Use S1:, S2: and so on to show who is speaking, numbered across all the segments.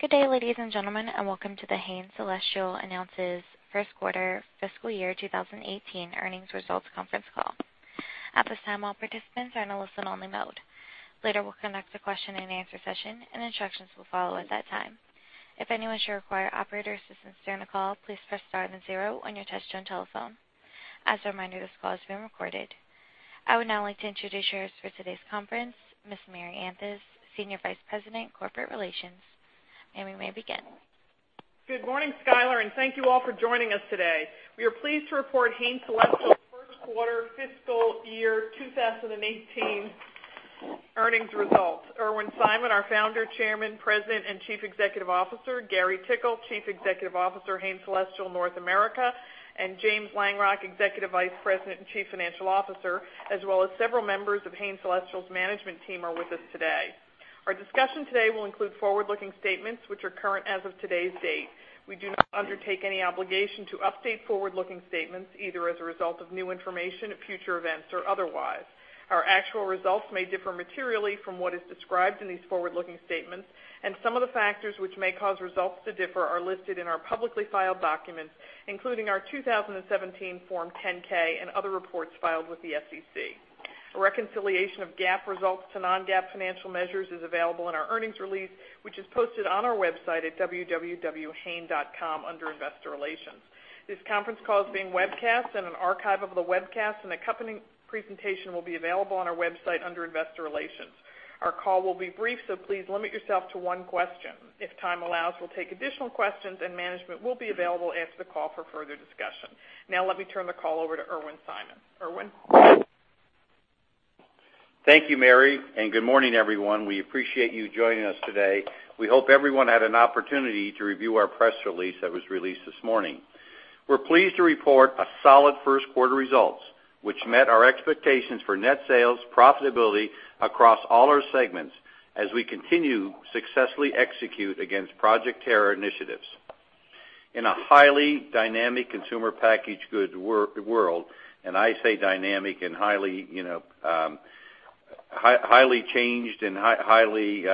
S1: Good day, ladies and gentlemen. Welcome to the Hain Celestial announces first quarter fiscal year 2018 earnings results conference call. At this time, all participants are in a listen-only mode. Later, we'll conduct a question and answer session, and instructions will follow at that time. If anyone should require operator assistance during the call, please press star and zero on your touch-tone telephone. As a reminder, this call is being recorded. I would now like to introduce you to today's conference, Ms. Mary Anthes, Senior Vice President, Corporate Relations, and we may begin.
S2: Good morning, Skyler, and thank you all for joining us today. We are pleased to report Hain Celestial's first quarter fiscal year 2018 earnings results. Irwin Simon, our Founder, Chairman, President, and Chief Executive Officer, Gary Tickle, Chief Executive Officer, Hain Celestial North America, and James Langrock, Executive Vice President and Chief Financial Officer, as well as several members of Hain Celestial's management team are with us today. Our discussion today will include forward-looking statements which are current as of today's date. We do not undertake any obligation to update forward-looking statements, either as a result of new information or future events or otherwise. Our actual results may differ materially from what is described in these forward-looking statements, and some of the factors which may cause results to differ are listed in our publicly filed documents, including our 2017 Form 10-K and other reports filed with the SEC. A reconciliation of GAAP results to non-GAAP financial measures is available in our earnings release, which is posted on our website at www.hain.com under Investor Relations. This conference call is being webcast and an archive of the webcast and accompanying presentation will be available on our website under Investor Relations. Our call will be brief, so please limit yourself to one question. If time allows, we'll take additional questions, and management will be available after the call for further discussion. Let me turn the call over to Irwin Simon. Irwin?
S3: Thank you, Mary, and good morning, everyone. We appreciate you joining us today. We hope everyone had an opportunity to review our press release that was released this morning. We're pleased to report a solid first quarter results, which met our expectations for net sales profitability across all our segments as we continue to successfully execute against Project Terra initiatives. In a highly dynamic consumer packaged goods world, and I say dynamic and highly changed and highly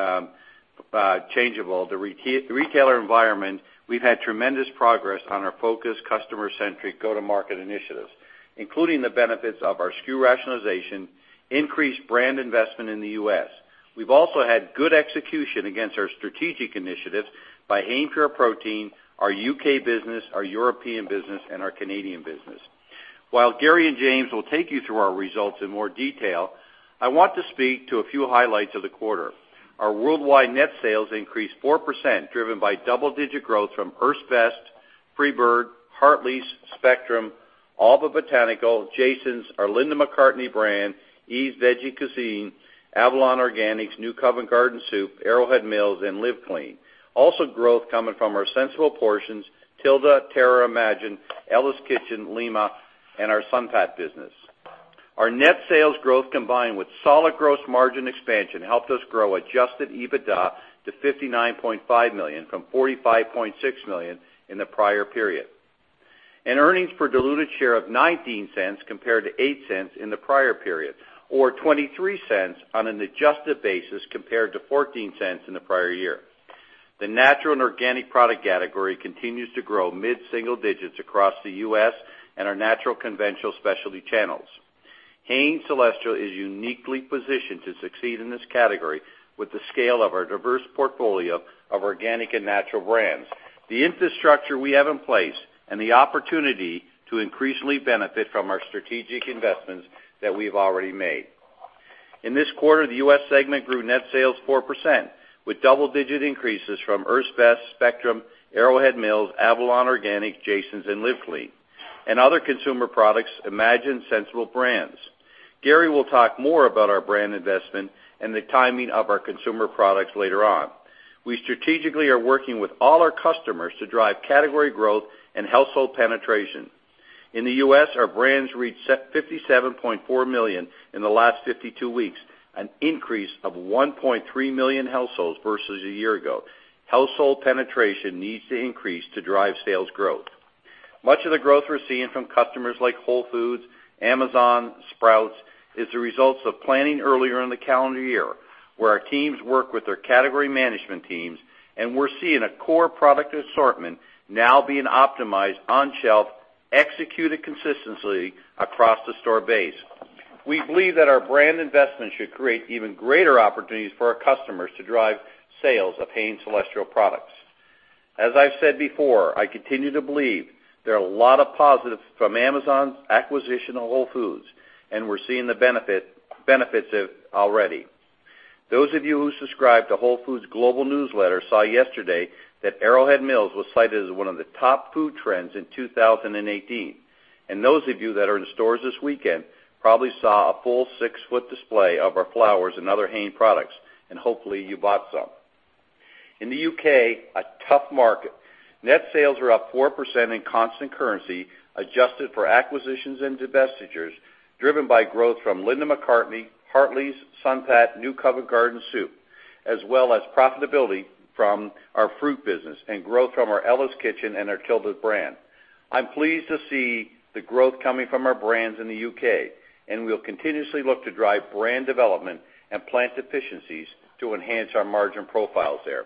S3: changeable, the retailer environment, we've had tremendous progress on our focused customer-centric go-to-market initiatives, including the benefits of our SKU rationalization, increased brand investment in the U.S. We've also had good execution against our strategic initiatives by Hain Pure Protein, our U.K. business, our European business, and our Canadian business. While Gary and James will take you through our results in more detail, I want to speak to a few highlights of the quarter. Our worldwide net sales increased 4%, driven by double-digit growth from Earth's Best, FreeBird, Hartley's, Spectrum, Alba Botanica, JASON's, our Linda McCartney brand, Yves Veggie Cuisine, Avalon Organics, New Covent Garden Soup, Arrowhead Mills, and Live Clean. Also, growth coming from our Sensible Portions, Tilda, Terra, Imagine, Ella's Kitchen, Lima, and our Sun-Pat business. Our net sales growth, combined with solid gross margin expansion, helped us grow adjusted EBITDA to $59.5 million from $45.6 million in the prior period. Earnings per diluted share of $0.19 compared to $0.08 in the prior period or $0.23 on an adjusted basis compared to $0.14 in the prior year. The natural and organic product category continues to grow mid-single digits across the U.S. and our natural conventional specialty channels. Hain Celestial is uniquely positioned to succeed in this category with the scale of our diverse portfolio of organic and natural brands. The infrastructure we have in place and the opportunity to increasingly benefit from our strategic investments that we've already made. In this quarter, the U.S. segment grew net sales 4%, with double-digit increases from Earth's Best, Spectrum, Arrowhead Mills, Avalon Organics, JASON's, and Live Clean, and other consumer products, Imagine Sensible Brands. Gary will talk more about our brand investment and the timing of our consumer products later on. We strategically are working with all our customers to drive category growth and household penetration. In the U.S., our brands reached 57.4 million in the last 52 weeks, an increase of 1.3 million households versus a year ago. Household penetration needs to increase to drive sales growth. Much of the growth we're seeing from customers like Whole Foods, Amazon, Sprouts, is the results of planning earlier in the calendar year, where our teams work with their category management teams, and we're seeing a core product assortment now being optimized on shelf, executed consistently across the store base. We believe that our brand investment should create even greater opportunities for our customers to drive sales of Hain Celestial products. As I've said before, I continue to believe there are a lot of positives from Amazon's acquisition of Whole Foods, and we're seeing the benefits of it already. Those of you who subscribe to Whole Foods global newsletter saw yesterday that Arrowhead Mills was cited as one of the top food trends in 2018. Those of you that are in stores this weekend probably saw a full six-foot display of our flours and other Hain products, hopefully, you bought some. In the U.K., a tough market. Net sales were up 4% in constant currency, adjusted for acquisitions and divestitures, driven by growth from Linda McCartney, Hartley's, Sun-Pat, New Covent Garden Soup, as well as profitability from our fruit business and growth from our Ella's Kitchen and our Tilda brand. I'm pleased to see the growth coming from our brands in the U.K., we'll continuously look to drive brand development and plant efficiencies to enhance our margin profiles there.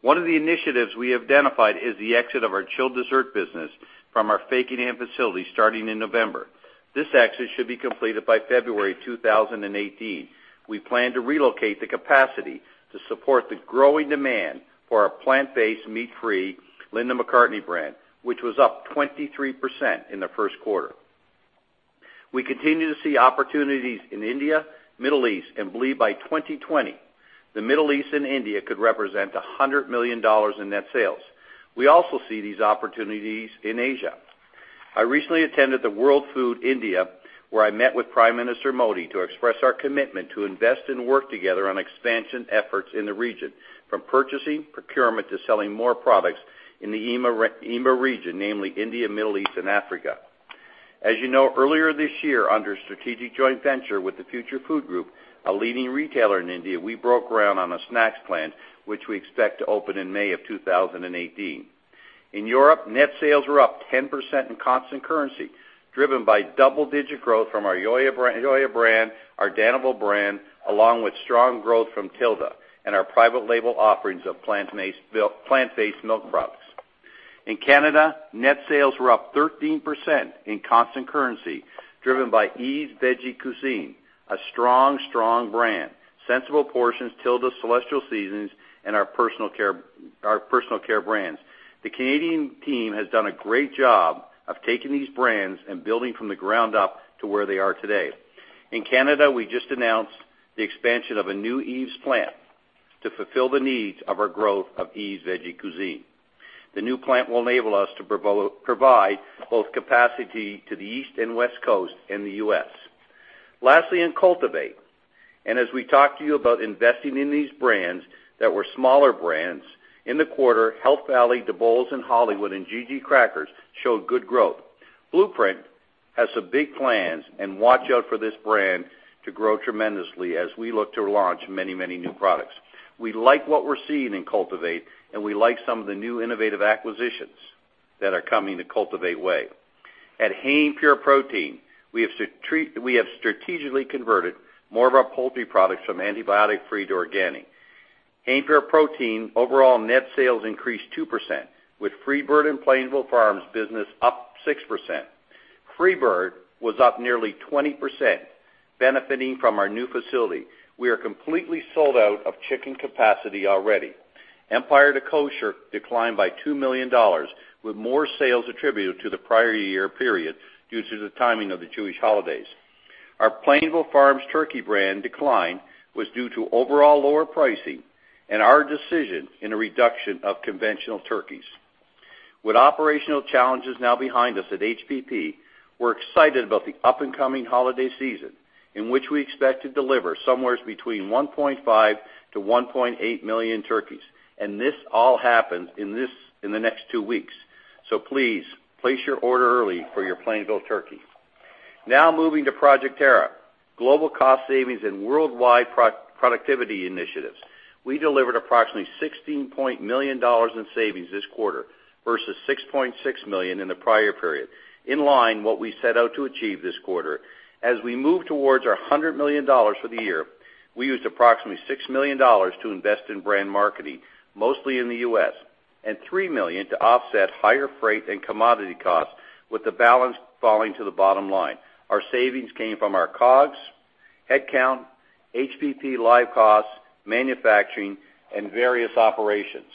S3: One of the initiatives we identified is the exit of our chilled dessert business from our Fakenham facility starting in November. This exit should be completed by February 2018. We plan to relocate the capacity to support the growing demand for our plant-based, meat-free Linda McCartney brand, which was up 23% in the first quarter. We continue to see opportunities in India, Middle East, and believe by 2020, the Middle East and India could represent $100 million in net sales. We also see these opportunities in Asia. I recently attended the World Food India, where I met with Prime Minister Modi to express our commitment to invest and work together on expansion efforts in the region, from purchasing, procurement, to selling more products in the IMEA region, namely India, Middle East, and Africa. As you know, earlier this year, under a strategic joint venture with the Future Food Group, a leading retailer in India, we broke ground on a snacks plant, which we expect to open in May of 2018. In Europe, net sales were up 10% in constant currency, driven by double-digit growth from our Joya brand, our Danival brand, along with strong growth from Tilda and our private label offerings of plant-based milk products. In Canada, net sales were up 13% in constant currency, driven by Yves Veggie Cuisine, a strong brand. Sensible Portions, Tilda, Celestial Seasonings, and our personal care brands. The Canadian team has done a great job of taking these brands and building from the ground up to where they are today. In Canada, we just announced the expansion of a new Yves plant to fulfill the needs of our growth of Yves Veggie Cuisine. The new plant will enable us to provide both capacity to the East and West Coast in the U.S. Lastly, in Cultivate, as we talk to you about investing in these brands that were smaller brands, in the quarter, Health Valley, DeBoles and Hollywood, and GG Crackers showed good growth. BluePrint has some big plans, and watch out for this brand to grow tremendously as we look to launch many new products. We like what we're seeing in Cultivate, and we like some of the new innovative acquisitions that are coming the Cultivate way. At Hain Pure Protein, we have strategically converted more of our poultry products from antibiotic-free to organic. Hain Pure Protein overall net sales increased 2%, with FreeBird and Plainville Farms business up 6%. FreeBird was up nearly 20%, benefiting from our new facility. We are completely sold out of chicken capacity already. Empire Kosher declined by $2 million, with more sales attributed to the prior year period due to the timing of the Jewish holidays. Our Plainville Farms turkey brand decline was due to overall lower pricing and our decision in a reduction of conventional turkeys. With operational challenges now behind us at HPP, we're excited about the up and coming holiday season, in which we expect to deliver somewhere between 1.5 million to 1.8 million turkeys, and this all happens in the next two weeks. Please, place your order early for your Plainville turkey. Now moving to Project Terra, global cost savings and worldwide productivity initiatives. We delivered approximately $16 million in savings this quarter versus $6.6 million in the prior period, in line what we set out to achieve this quarter. As we move towards our $100 million for the year, we used approximately $6 million to invest in brand marketing, mostly in the U.S., and $3 million to offset higher freight and commodity costs, with the balance falling to the bottom line. Our savings came from our COGS, headcount, HPP live costs, manufacturing, and various operations.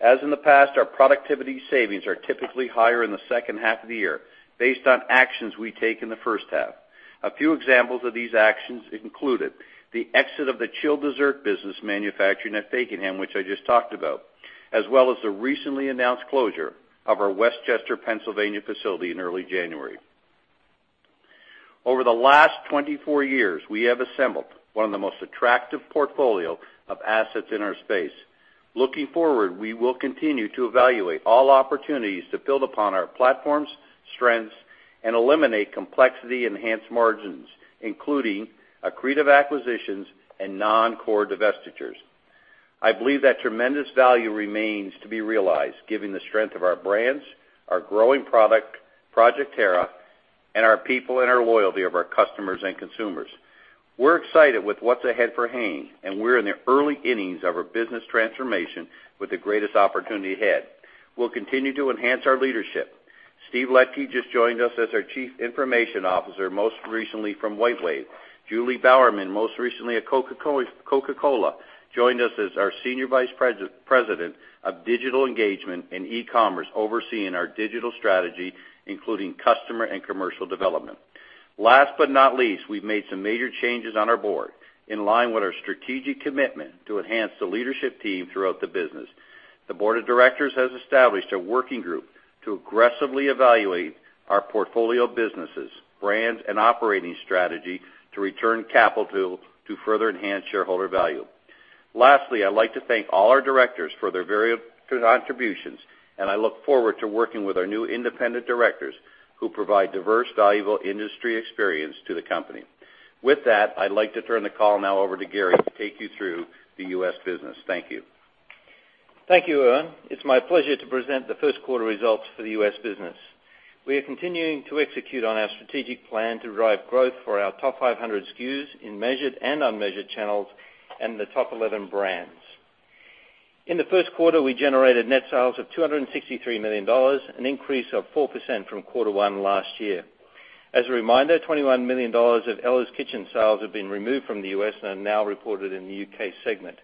S3: As in the past, our productivity savings are typically higher in the second half of the year based on actions we take in the first half. A few examples of these actions included the exit of the chilled dessert business manufacturing at Fakenham, which I just talked about, as well as the recently announced closure of our West Chester, Pennsylvania facility in early January. Over the last 24 years, we have assembled one of the most attractive portfolio of assets in our space. Looking forward, we will continue to evaluate all opportunities to build upon our platforms, strengths, and eliminate complexity enhanced margins, including accretive acquisitions and non-core divestitures. I believe that tremendous value remains to be realized given the strength of our brands, our growing Project Terra, and our people and our loyalty of our customers and consumers. We're excited with what's ahead for Hain, and we're in the early innings of our business transformation with the greatest opportunity ahead. We'll continue to enhance our leadership. Steve Letke just joined us as our chief information officer, most recently from WhiteWave. Julie Bowerman, most recently at Coca-Cola, joined us as our senior vice president of digital engagement and e-commerce, overseeing our digital strategy, including customer and commercial development. Last but not least, we've made some major changes on our board in line with our strategic commitment to enhance the leadership team throughout the business. The board of directors has established a working group to aggressively evaluate our portfolio of businesses, brands, and operating strategy to return capital to further enhance shareholder value. Lastly, I'd like to thank all our directors for their various contributions, and I look forward to working with our new independent directors who provide diverse, valuable industry experience to the company. With that, I'd like to turn the call now over to Gary to take you through the U.S. business. Thank you.
S4: Thank you, Irwin. It's my pleasure to present the first quarter results for the U.S. business. We are continuing to execute on our strategic plan to drive growth for our top 500 SKUs in measured and unmeasured channels and the top 11 brands. In the first quarter, we generated net sales of $263 million, an increase of 4% from quarter one last year. As a reminder, $21 million of Ella's Kitchen sales have been removed from the U.S. and are now reported in the U.K. segment.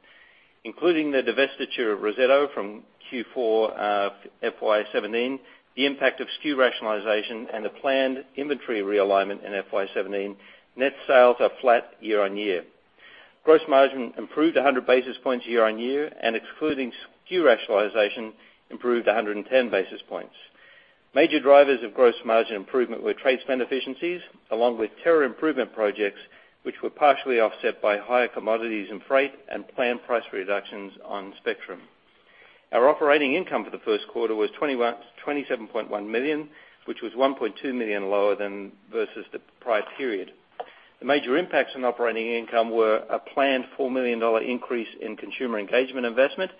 S4: Including the divestiture of Rosetto from Q4 of FY 2017, the impact of SKU rationalization, and the planned inventory realignment in FY 2017, net sales are flat year-on-year. Gross margin improved 100 basis points year-on-year and excluding SKU rationalization improved 110 basis points. Major drivers of gross margin improvement were trade spend efficiencies along with Project Terra improvement projects, which were partially offset by higher commodities and freight and planned price reductions on Spectrum. Our operating income for the first quarter was $27.1 million, which was $1.2 million lower than versus the prior period. The major impacts on operating income were a planned $4 million increase in consumer engagement investment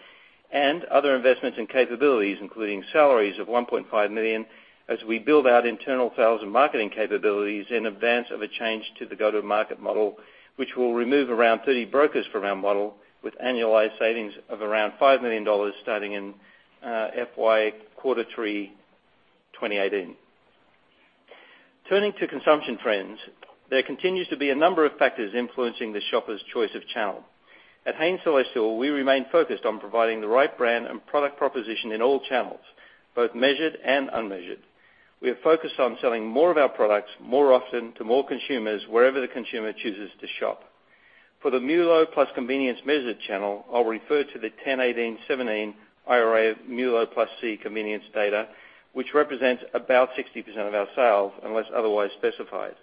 S4: and other investments in capabilities, including salaries of $1.5 million as we build out internal sales and marketing capabilities in advance of a change to the go-to-market model, which will remove around 30 brokers from our model with annualized savings of around $5 million starting in FY quarter three 2018. Turning to consumption trends, there continues to be a number of factors influencing the shopper's choice of channel. At Hain Celestial, we remain focused on providing the right brand and product proposition in all channels, both measured and unmeasured. We are focused on selling more of our products more often to more consumers wherever the consumer chooses to shop. For the MULO+C convenience measured channel, I'll refer to the 10/18/2017 IRI MULO plus C convenience data, which represents about 60% of our sales unless otherwise specified.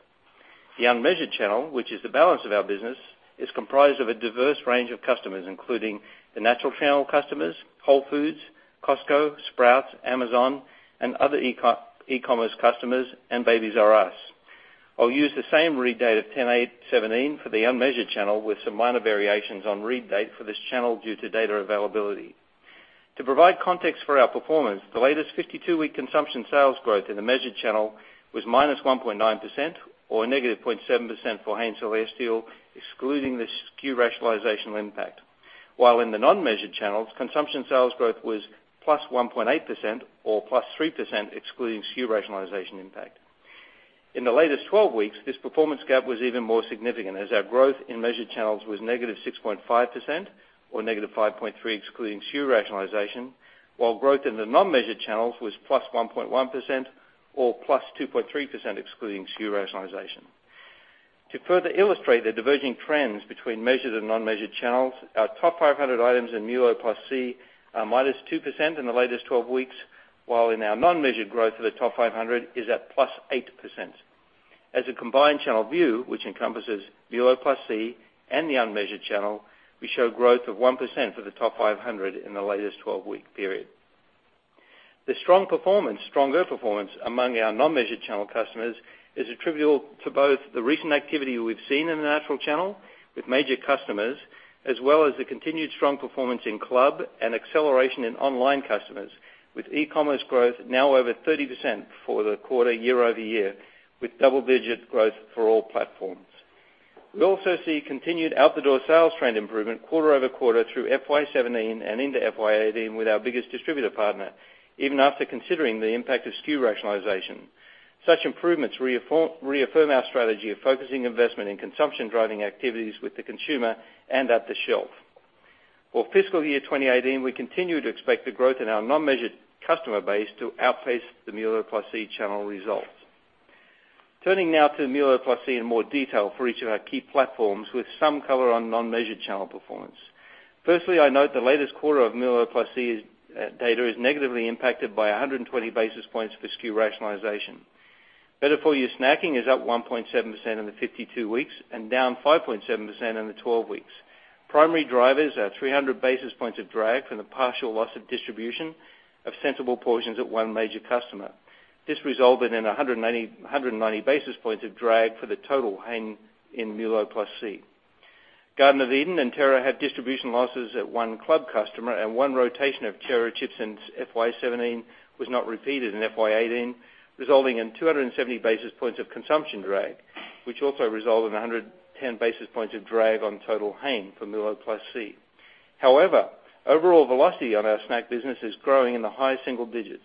S4: The unmeasured channel, which is the balance of our business, is comprised of a diverse range of customers, including the natural channel customers, Whole Foods, Costco, Sprouts, Amazon, and other e-commerce customers, and Babies 'R' Us. I'll use the same read date of 10/8/2017 for the unmeasured channel with some minor variations on read date for this channel due to data availability. To provide context for our performance, the latest 52-week consumption sales growth in the measured channel was -1.9% or -7.7% for Hain Celestial, excluding the SKU rationalization impact. While in the non-measured channels, consumption sales growth was +1.8% or +3% excluding SKU rationalization impact. In the latest 12 weeks, this performance gap was even more significant as our growth in measured channels was -6.5% or -5.3% excluding SKU rationalization, while growth in the non-measured channels was +1.1% or +2.3% excluding SKU rationalization. To further illustrate the diverging trends between measured and unmeasured channels, our top 500 items in MULO plus C are -2% in the latest 12 weeks, while in our non-measured growth of the top 500 is at +8%. As a combined channel view, which encompasses MULO plus C and the unmeasured channel, we show growth of 1% for the top 500 in the latest 12-week period. The stronger performance among our non-measured channel customers is attributable to both the recent activity we've seen in the natural channel with major customers, as well as the continued strong performance in club and acceleration in online customers, with e-commerce growth now over 30% for the quarter year-over-year with double-digit growth for all platforms. We also see continued out-the-door sales trend improvement quarter-over-quarter through FY 2017 and into FY 2018 with our biggest distributor partner, even after considering the impact of SKU rationalization. Such improvements reaffirm our strategy of focusing investment in consumption-driving activities with the consumer and at the shelf. For fiscal year 2018, we continue to expect the growth in our non-measured customer base to outpace the MULO plus C channel results. Turning now to MULO plus C in more detail for each of our key platforms with some color on non-measured channel performance. Firstly, I note the latest quarter of MULO plus C data is negatively impacted by 120 basis points for SKU rationalization. Better-for-you snacking is up 1.7% in the 52 weeks and down 5.7% in the 12 weeks. Primary drivers are 300 basis points of drag from the partial loss of distribution of Sensible Portions at one major customer. This resulted in 190 basis points of drag for the total Hain in MULO plus C. Garden of Eatin' and Terra had distribution losses at one club customer and one rotation of Terra chips since FY 2017 was not repeated in FY 2018, resulting in 270 basis points of consumption drag, which also resulted in 110 basis points of drag on total Hain for MULO plus C. However, overall velocity on our snack business is growing in the high single digits.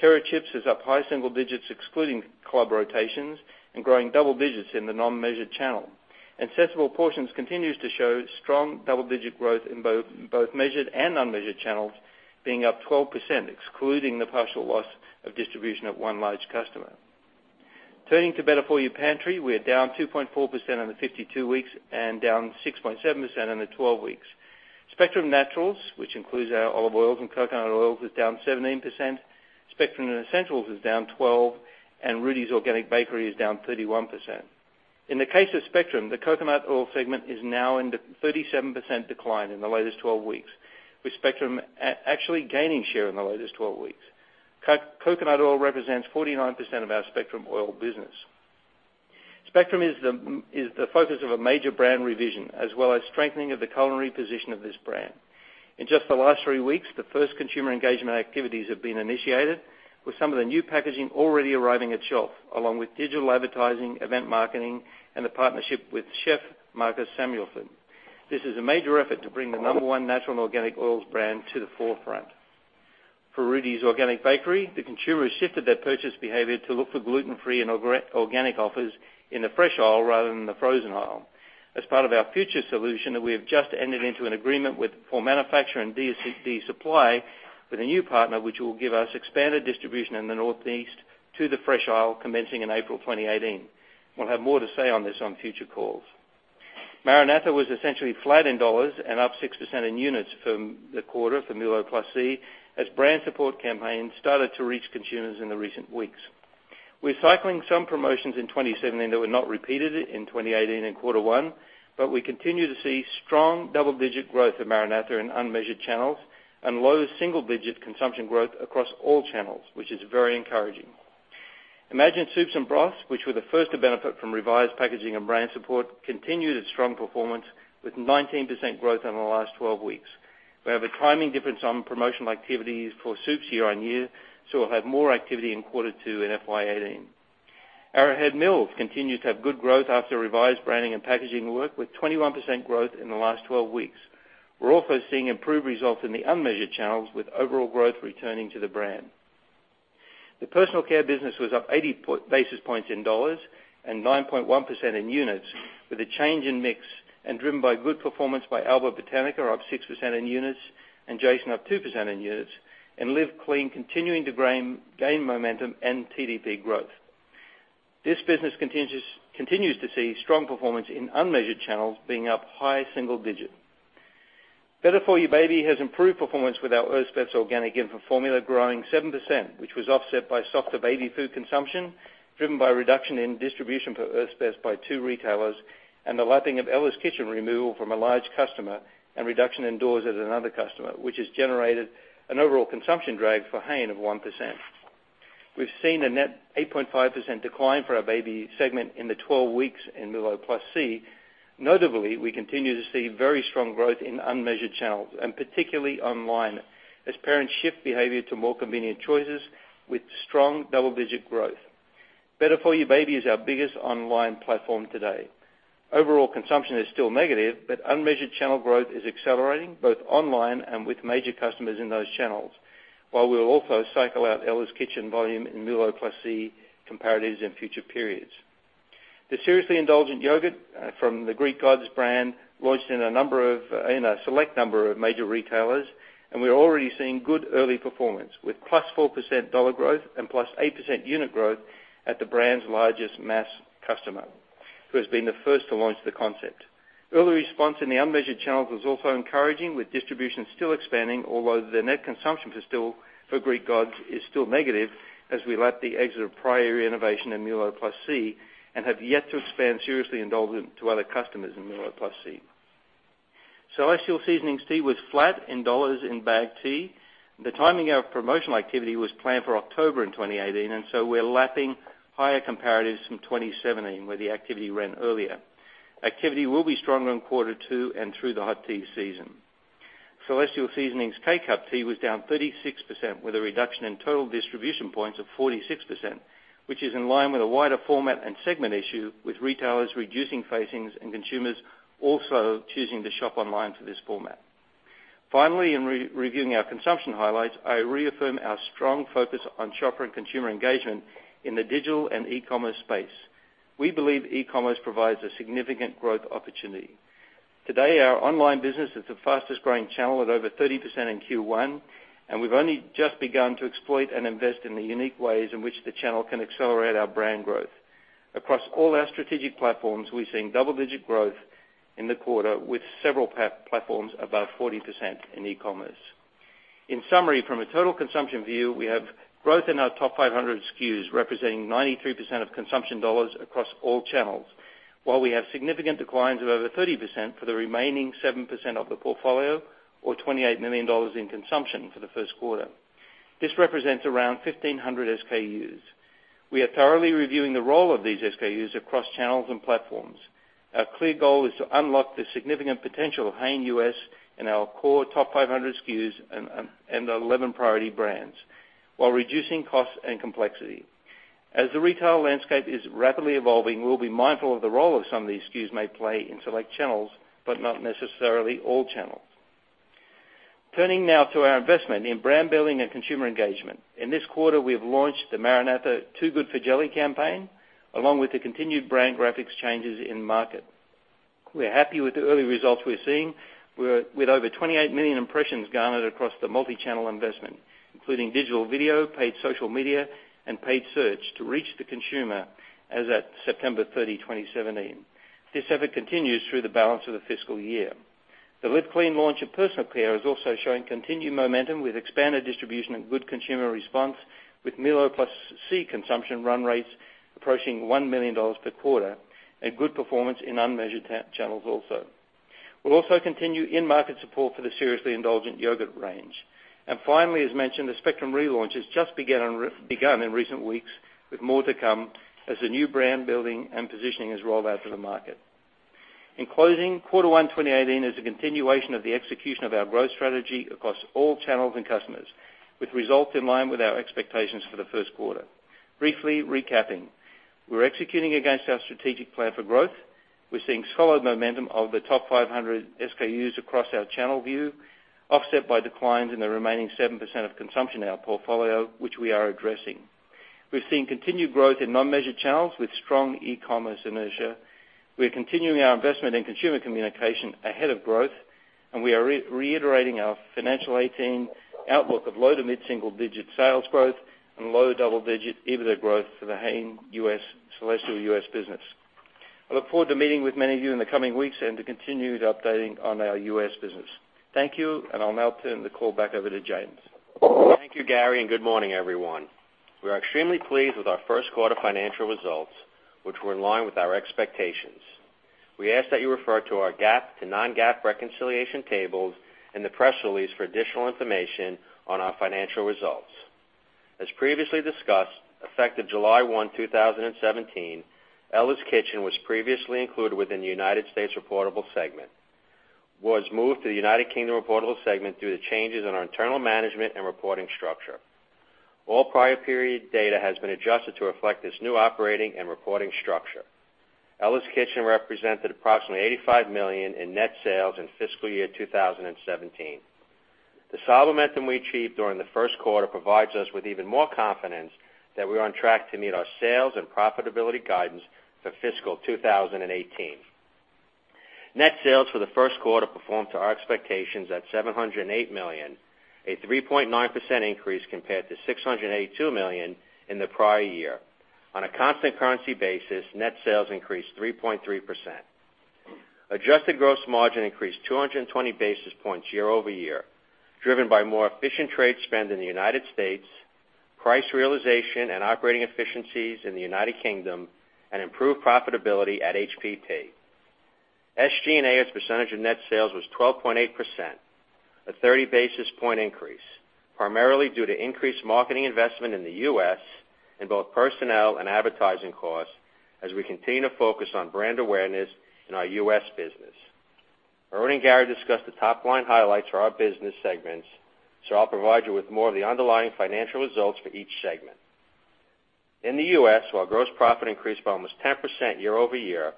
S4: Terra chips is up high single digits excluding club rotations and growing double digits in the non-measured channel. Sensible Portions continues to show strong double-digit growth in both measured and unmeasured channels, being up 12%, excluding the partial loss of distribution at one large customer. Turning to better-for-you pantry, we are down 2.4% on the 52 weeks and down 6.7% on the 12 weeks. Spectrum Naturals, which includes our olive oils and coconut oils, was down 17%, Spectrum Essentials is down 12%, and Rudi's Organic Bakery is down 31%. In the case of Spectrum, the coconut oil segment is now in the 37% decline in the latest 12 weeks, with Spectrum actually gaining share in the latest 12 weeks. Coconut oil represents 49% of our Spectrum oil business. Spectrum is the focus of a major brand revision, as well as strengthening of the culinary position of this brand. In just the last three weeks, the first consumer engagement activities have been initiated, with some of the new packaging already arriving at shelf, along with digital advertising, event marketing, and a partnership with Chef Marcus Samuelsson. This is a major effort to bring the number one natural and organic oils brand to the forefront. For Rudi's Organic Bakery, the consumer has shifted their purchase behavior to look for gluten-free and organic offers in the fresh aisle rather than the frozen aisle. As part of our future solution that we have just entered into an agreement with for manufacture and DSD supply with a new partner, which will give us expanded distribution in the Northeast to the fresh aisle, commencing in April 2018. We'll have more to say on this on future calls. MaraNatha was essentially flat in dollars and up 6% in units from the quarter for MULO+C, as brand support campaigns started to reach consumers in the recent weeks. We're cycling some promotions in 2017 that were not repeated in 2018 in quarter one. We continue to see strong double-digit growth of MaraNatha in unmeasured channels and low single-digit consumption growth across all channels, which is very encouraging. Imagine Soups and Broths, which were the first to benefit from revised packaging and brand support, continued its strong performance with 19% growth in the last 12 weeks. We have a timing difference on promotional activities for soups year-on-year, so we'll have more activity in quarter two in FY 2018. Arrowhead Mills continues to have good growth after revised branding and packaging work with 21% growth in the last 12 weeks. We're also seeing improved results in the unmeasured channels with overall growth returning to the brand. The personal care business was up 80 basis points in dollars and 9.1% in units with a change in mix and driven by good performance by Alba Botanica, up 6% in units, and JASON up 2% in units, and Live Clean continuing to gain momentum and TDP growth. This business continues to see strong performance in unmeasured channels being up high single digit. Better For You Baby has improved performance with our Earth's Best Organic infant formula growing 7%, which was offset by softer baby food consumption, driven by reduction in distribution for Earth's Best by 2 retailers, and the lapping of Ella's Kitchen removal from a large customer, and reduction in doors at another customer, which has generated an overall consumption drag for Hain of 1%. We've seen a net 8.5% decline for our baby segment in the 12 weeks in MULO+C. Notably, we continue to see very strong growth in unmeasured channels and particularly online, as parents shift behavior to more convenient choices with strong double-digit growth. Better For You Baby is our biggest online platform today. Overall consumption is still negative, but unmeasured channel growth is accelerating both online and with major customers in those channels. While we'll also cycle out Ella's Kitchen volume in MULO+C comparatives in future periods. The Seriously Indulgent yogurt from The Greek Gods brand launched in a select number of major retailers, and we're already seeing good early performance, with +4% dollar growth and +8% unit growth at the brand's largest mass customer, who has been the first to launch the concept. Early response in the unmeasured channels was also encouraging, with distribution still expanding, although the net consumption for The Greek Gods is still negative as we lap the exit of prior innovation in MULO+C and have yet to expand Seriously Indulgent to other customers in MULO+C. Celestial Seasonings tea was flat in dollars in bagged tea. The timing of promotional activity was planned for October in 2018, and so we're lapping higher comparatives from 2017, where the activity ran earlier. Activity will be stronger in quarter two and through the hot tea season. Celestial Seasonings K-Cup tea was down 36% with a reduction in total distribution points of 46%, which is in line with a wider format and segment issue, with retailers reducing facings and consumers also choosing to shop online for this format. Finally, in reviewing our consumption highlights, I reaffirm our strong focus on shopper and consumer engagement in the digital and e-commerce space. We believe e-commerce provides a significant growth opportunity. Today, our online business is the fastest-growing channel at over 30% in Q1, and we've only just begun to exploit and invest in the unique ways in which the channel can accelerate our brand growth. Across all our strategic platforms, we're seeing double-digit growth in the quarter, with several platforms above 40% in e-commerce. In summary, from a total consumption view, we have growth in our top 500 SKUs, representing 93% of consumption dollars across all channels. While we have significant declines of over 30% for the remaining 7% of the portfolio or $28 million in consumption for the first quarter. This represents around 1,500 SKUs. We are thoroughly reviewing the role of these SKUs across channels and platforms. Our clear goal is to unlock the significant potential of Hain U.S. in our core top 500 SKUs and 11 priority brands while reducing costs and complexity. As the retail landscape is rapidly evolving, we'll be mindful of the role some of these SKUs may play in select channels, but not necessarily all channels. Turning now to our investment in brand building and consumer engagement. In this quarter, we have launched the MaraNatha Too Good for Jelly campaign, along with the continued brand graphics changes in-market. We're happy with the early results we're seeing, with over 28 million impressions garnered across the multi-channel investment, including digital video, paid social media, and paid search to reach the consumer as at September 30, 2017. This effort continues through the balance of the fiscal year. The Live Clean launch of personal care is also showing continued momentum with expanded distribution and good consumer response, with MULO+C consumption run rates approaching $1 million per quarter and good performance in unmeasured channels also. We'll also continue in-market support for the Seriously Indulgent yogurt range. Finally, as mentioned, the Spectrum relaunch has just begun in recent weeks, with more to come as the new brand building and positioning is rolled out to the market. In closing, quarter one 2018 is a continuation of the execution of our growth strategy across all channels and customers, with results in line with our expectations for the first quarter. Briefly recapping, we're executing against our strategic plan for growth. We're seeing solid momentum of the top 500 SKUs across our channel view, offset by declines in the remaining 7% of consumption in our portfolio, which we are addressing. We're seeing continued growth in non-measured channels with strong e-commerce inertia. We are continuing our investment in consumer communication ahead of growth. We are reiterating our financial 2018 outlook of low to mid-single-digit sales growth and low double-digit EBITDA growth for The Hain Celestial U.S. business. I look forward to meeting with many of you in the coming weeks and to continued updating on our U.S. business. Thank you. I'll now turn the call back over to James.
S5: Thank you, Gary. Good morning, everyone. We are extremely pleased with our first quarter financial results, which were in line with our expectations. We ask that you refer to our GAAP to non-GAAP reconciliation tables in the press release for additional information on our financial results. As previously discussed, effective July 1, 2017, Ella's Kitchen was previously included within the U.S. reportable segment, was moved to the U.K. reportable segment due to changes in our internal management and reporting structure. All prior period data has been adjusted to reflect this new operating and reporting structure. Ella's Kitchen represented approximately $85 million in net sales in fiscal year 2017. The solid momentum we achieved during the first quarter provides us with even more confidence that we're on track to meet our sales and profitability guidance for fiscal 2018. Net sales for the first quarter performed to our expectations at $708 million, a 3.9% increase compared to $682 million in the prior year. On a constant currency basis, net sales increased 3.3%. Adjusted gross margin increased 220 basis points year over year, driven by more efficient trade spend in the U.S., price realization and operating efficiencies in the U.K., and improved profitability at HPP. SG&A as a percentage of net sales was 12.8%, a 30 basis point increase, primarily due to increased marketing investment in the U.S. in both personnel and advertising costs as we continue to focus on brand awareness in our U.S. business. Irwin and Gary discussed the top-line highlights for our business segments. I'll provide you with more of the underlying financial results for each segment. In the U.S., while gross profit increased by almost 10% year over year,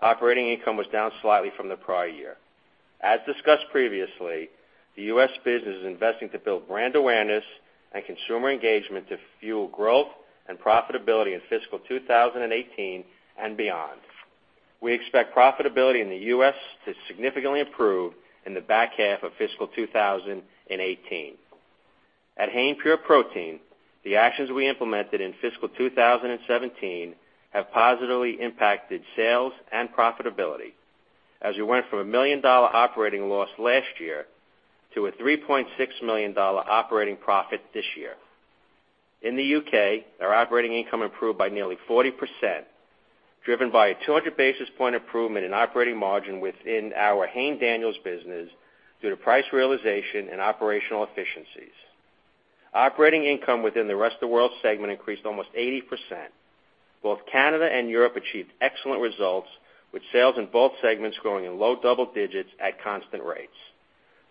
S5: operating income was down slightly from the prior year. As discussed previously, the U.S. business is investing to build brand awareness and consumer engagement to fuel growth and profitability in FY 2018 and beyond. We expect profitability in the U.S. to significantly improve in the back half of FY 2018. At Hain Pure Protein, the actions we implemented in FY 2017 have positively impacted sales and profitability, as we went from a $1 million operating loss last year to a $3.6 million operating profit this year. In the U.K., our operating income improved by nearly 40%, driven by a 200 basis point improvement in operating margin within our Hain Daniels business due to price realization and operational efficiencies. Operating income within the Rest of World segment increased almost 80%. Both Canada and Europe achieved excellent results, with sales in both segments growing in low double digits at constant rates.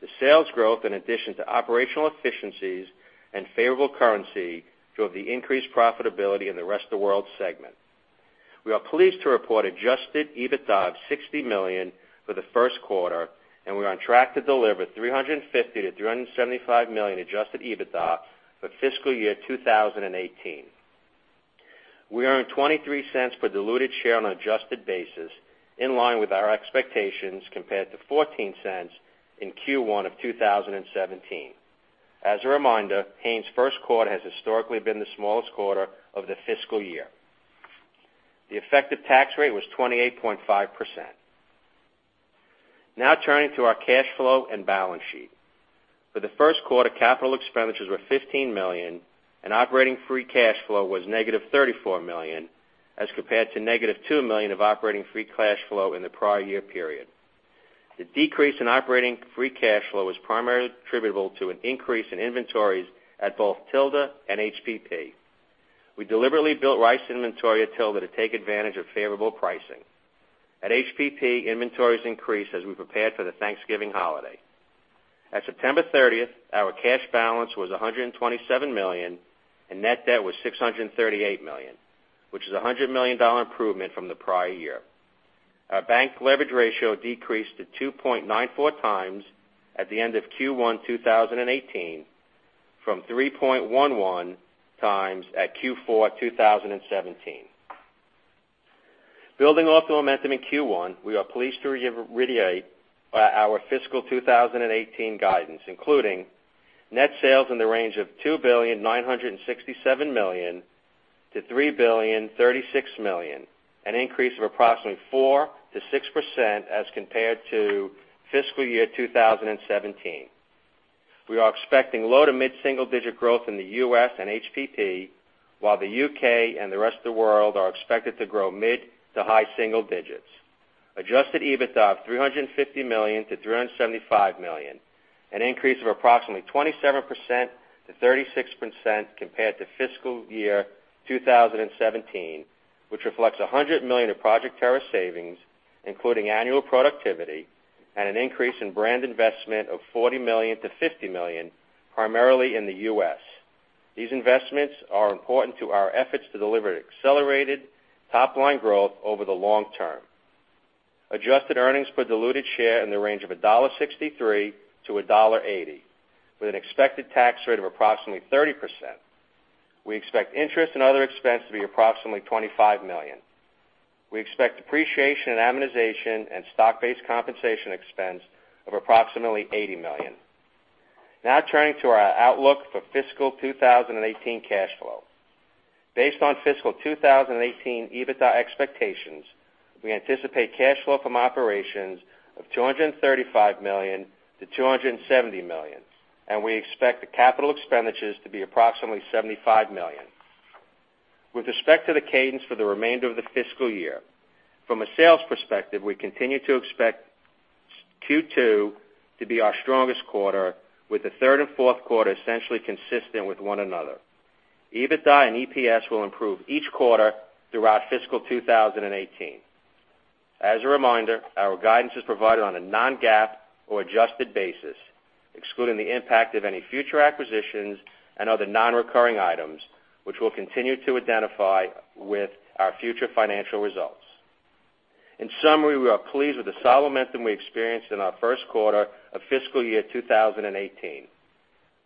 S5: The sales growth, in addition to operational efficiencies and favorable currency, drove the increased profitability in the Rest of World segment. We are pleased to report adjusted EBITDA of $60 million for the first quarter. We're on track to deliver $350 million-$375 million adjusted EBITDA for FY 2018. We earned $0.23 per diluted share on an adjusted basis, in line with our expectations, compared to $0.14 in Q1 of 2017. As a reminder, Hain's first quarter has historically been the smallest quarter of the fiscal year. The effective tax rate was 28.5%. Turning to our cash flow and balance sheet. For the first quarter, capital expenditures were $15 million and operating free cash flow was negative $34 million, as compared to negative $2 million of operating free cash flow in the prior year period. The decrease in operating free cash flow was primarily attributable to an increase in inventories at both Tilda and HPP. We deliberately built rice inventory at Tilda to take advantage of favorable pricing. At HPP, inventories increased as we prepared for the Thanksgiving holiday. At September 30th, our cash balance was $127 million, net debt was $638 million, which is a $100 million improvement from the prior year. Our bank leverage ratio decreased to 2.94 times at the end of Q1 2018 from 3.11 times at Q4 2017. Building off the momentum in Q1, we are pleased to reiterate our FY 2018 guidance, including net sales in the range of $2.967 billion to $3.036 billion, an increase of approximately 4%-6% as compared to FY 2017. We are expecting low to mid-single-digit growth in the U.S. and HPP, while the U.K. and the rest of the world are expected to grow mid to high single digits. Adjusted EBITDA of $350 million-$375 million, an increase of approximately 27%-36% compared to FY 2017, which reflects $100 million of Project Terra savings, including annual productivity and an increase in brand investment of $40 million-$50 million, primarily in the U.S. These investments are important to our efforts to deliver accelerated top-line growth over the long term. Adjusted earnings per diluted share in the range of $1.63-$1.80, with an expected tax rate of approximately 30%. We expect interest and other expense to be approximately $25 million. We expect depreciation and amortization and stock-based compensation expense of approximately $80 million. Turning to our outlook for FY 2018 cash flow. Based on FY 2018 EBITDA expectations, we anticipate cash flow from operations of $235 million-$270 million, and we expect the capital expenditures to be approximately $75 million. With respect to the cadence for the remainder of the fiscal year, from a sales perspective, we continue to expect Q2 to be our strongest quarter with the third and fourth quarter essentially consistent with one another. EBITDA and EPS will improve each quarter throughout FY 2018. As a reminder, our guidance is provided on a non-GAAP or adjusted basis, excluding the impact of any future acquisitions and other non-recurring items, which we'll continue to identify with our future financial results. In summary, we are pleased with the solid momentum we experienced in our first quarter of FY 2018.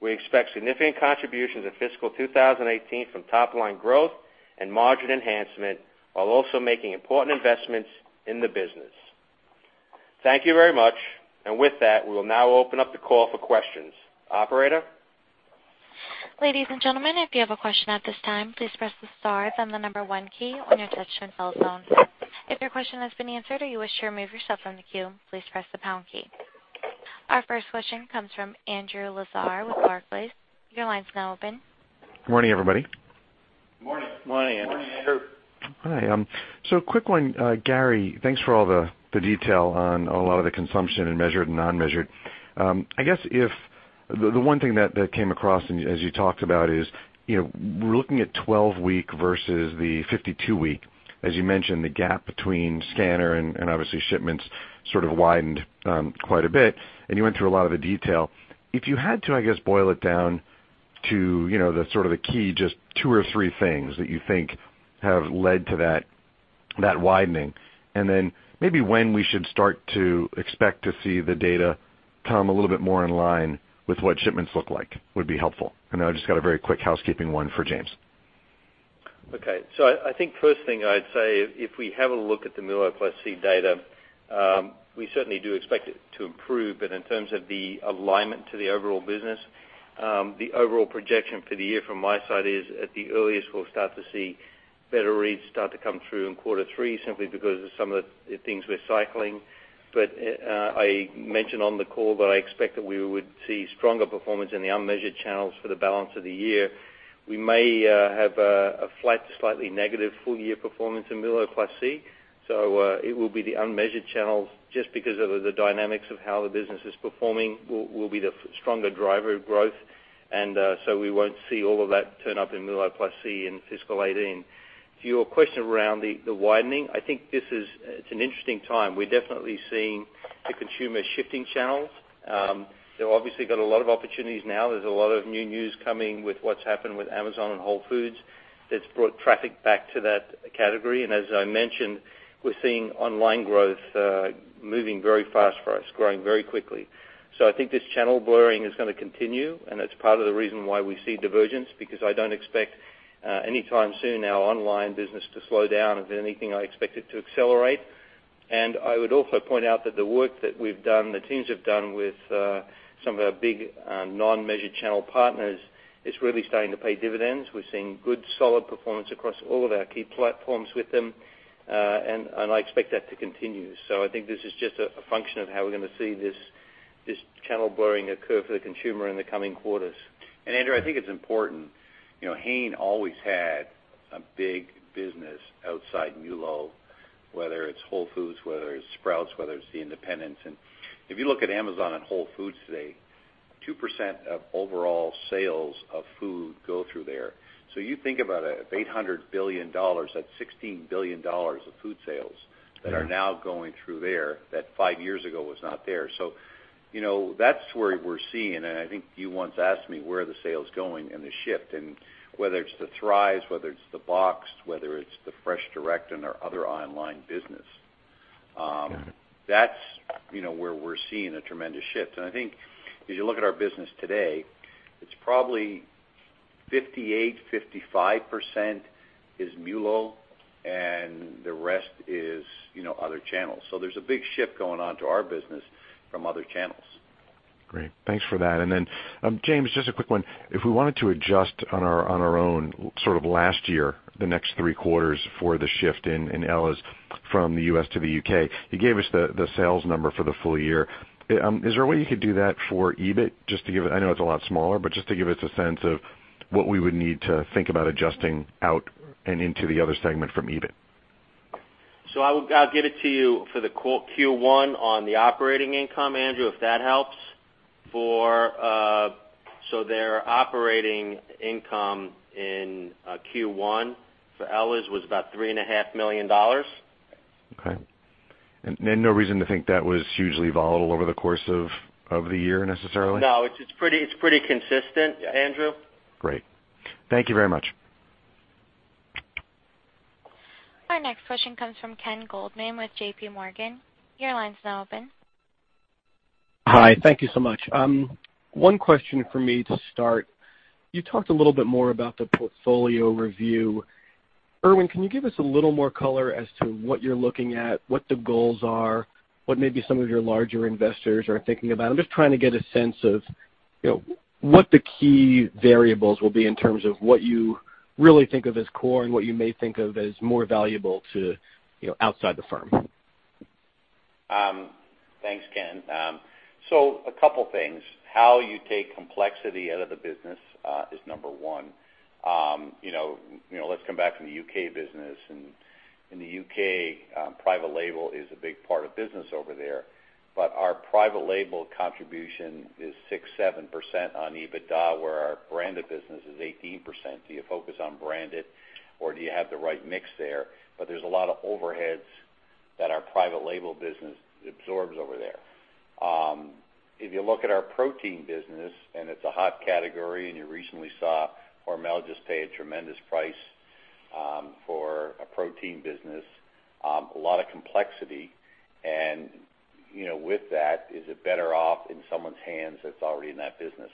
S5: We expect significant contributions in FY 2018 from top-line growth and margin enhancement, while also making important investments in the business. Thank you very much. With that, we will now open up the call for questions. Operator?
S1: Ladies and gentlemen, if you have a question at this time, please press the star, then the 1 key on your touch-tone cellphone. If your question has been answered or you wish to remove yourself from the queue, please press the pound key. Our first question comes from Andrew Lazar with Barclays. Your line is now open.
S6: Good morning, everybody.
S5: Good morning.
S4: Good morning, Andrew.
S6: Hi. Quick one. Gary, thanks for all the detail on a lot of the consumption in measured and non-measured. I guess, the one thing that came across as you talked about is, we're looking at 12-week versus the 52-week. As you mentioned, the gap between scanner and obviously shipments sort of widened quite a bit, and you went through a lot of the detail. If you had to, I guess, boil it down to the sort of the key, just two or three things that you think have led to that widening, and then maybe when we should start to expect to see the data come a little bit more in line with what shipments look like, would be helpful. Then I've just got a very quick housekeeping one for James.
S4: Okay. I think first thing I'd say, if we have a look at the MULO plus C data, we certainly do expect it to improve. In terms of the alignment to the overall business, the overall projection for the year from my side is, at the earliest, we'll start to see better reads start to come through in quarter three simply because of some of the things we're cycling. I mentioned on the call that I expect that we would see stronger performance in the unmeasured channels for the balance of the year. We may have a flat to slightly negative full-year performance in MULO plus C. It will be the unmeasured channels, just because of the dynamics of how the business is performing, will be the stronger driver of growth, and we won't see all of that turn up in MULO plus C in fiscal 2018. To your question around the widening, I think it's an interesting time. We're definitely seeing the consumer shifting channels. They obviously got a lot of opportunities now. There's a lot of new news coming with what's happened with Amazon and Whole Foods that's brought traffic back to that category. As I mentioned, we're seeing online growth moving very fast for us, growing very quickly. I think this channel blurring is going to continue, and it's part of the reason why we see divergence because I don't expect anytime soon our online business to slow down. If anything, I expect it to accelerate. I would also point out that the work that we've done, the teams have done with some of our big non-measured channel partners is really starting to pay dividends. We're seeing good, solid performance across all of our key platforms with them, and I expect that to continue. I think this is just a function of how we're going to see this channel blurring occur for the consumer in the coming quarters.
S5: Andrew, I think it's important. Hain always had a big business outside MULO, whether it's Whole Foods, whether it's Sprouts, whether it's the independents. If you look at Amazon and Whole Foods today, 2% of overall sales of food go through there. You think about it, at $800 billion, that's $16 billion of food sales that are now going through there, that five years ago was not there. That's where we're seeing, and I think you once asked me where are the sales going and the shift, and whether it's the Thrive Market, whether it's the Boxed, whether it's the FreshDirect and our other online business-
S6: Got it.
S5: That's where we're seeing a tremendous shift. I think if you look at our business today, it's probably 58%, 55% is MULO and the rest is other channels. There's a big shift going on to our business from other channels.
S6: Great. Thanks for that. Then James, just a quick one. If we wanted to adjust on our own sort of last year, the next three quarters for the shift in Ella's from the U.S. to the U.K. You gave us the sales number for the full year. Is there a way you could do that for EBIT? I know it's a lot smaller, but just to give us a sense of what we would need to think about adjusting out and into the other segment from EBIT.
S5: I'll give it to you for the Q1 on the operating income, Andrew, if that helps. Their operating income in Q1 for Ella's was about $3.5 million.
S6: Okay. No reason to think that was hugely volatile over the course of the year, necessarily?
S5: No, it's pretty consistent, Andrew.
S6: Great. Thank you very much.
S1: Our next question comes from Kenneth Goldman with J.P. Morgan. Your line's now open.
S7: Hi. Thank you so much. One question from me to start. You talked a little bit more about the portfolio review. Irwin, can you give us a little more color as to what you're looking at, what the goals are, what maybe some of your larger investors are thinking about? I'm just trying to get a sense of what the key variables will be in terms of what you really think of as core and what you may think of as more valuable to outside the firm.
S3: Thanks, Ken. A couple things. How you take complexity out of the business is number one. Let's come back from the U.K. business. In the U.K., private label is a big part of business over there. Our private label contribution is 6%-7% on EBITDA, where our branded business is 18%. Do you focus on branded or do you have the right mix there? There's a lot of overheads that our private label business absorbs over there. If you look at our protein business, it's a hot category, and you recently saw Hormel just pay a tremendous price for a protein business, a lot of complexity. With that, is it better off in someone's hands that's already in that business?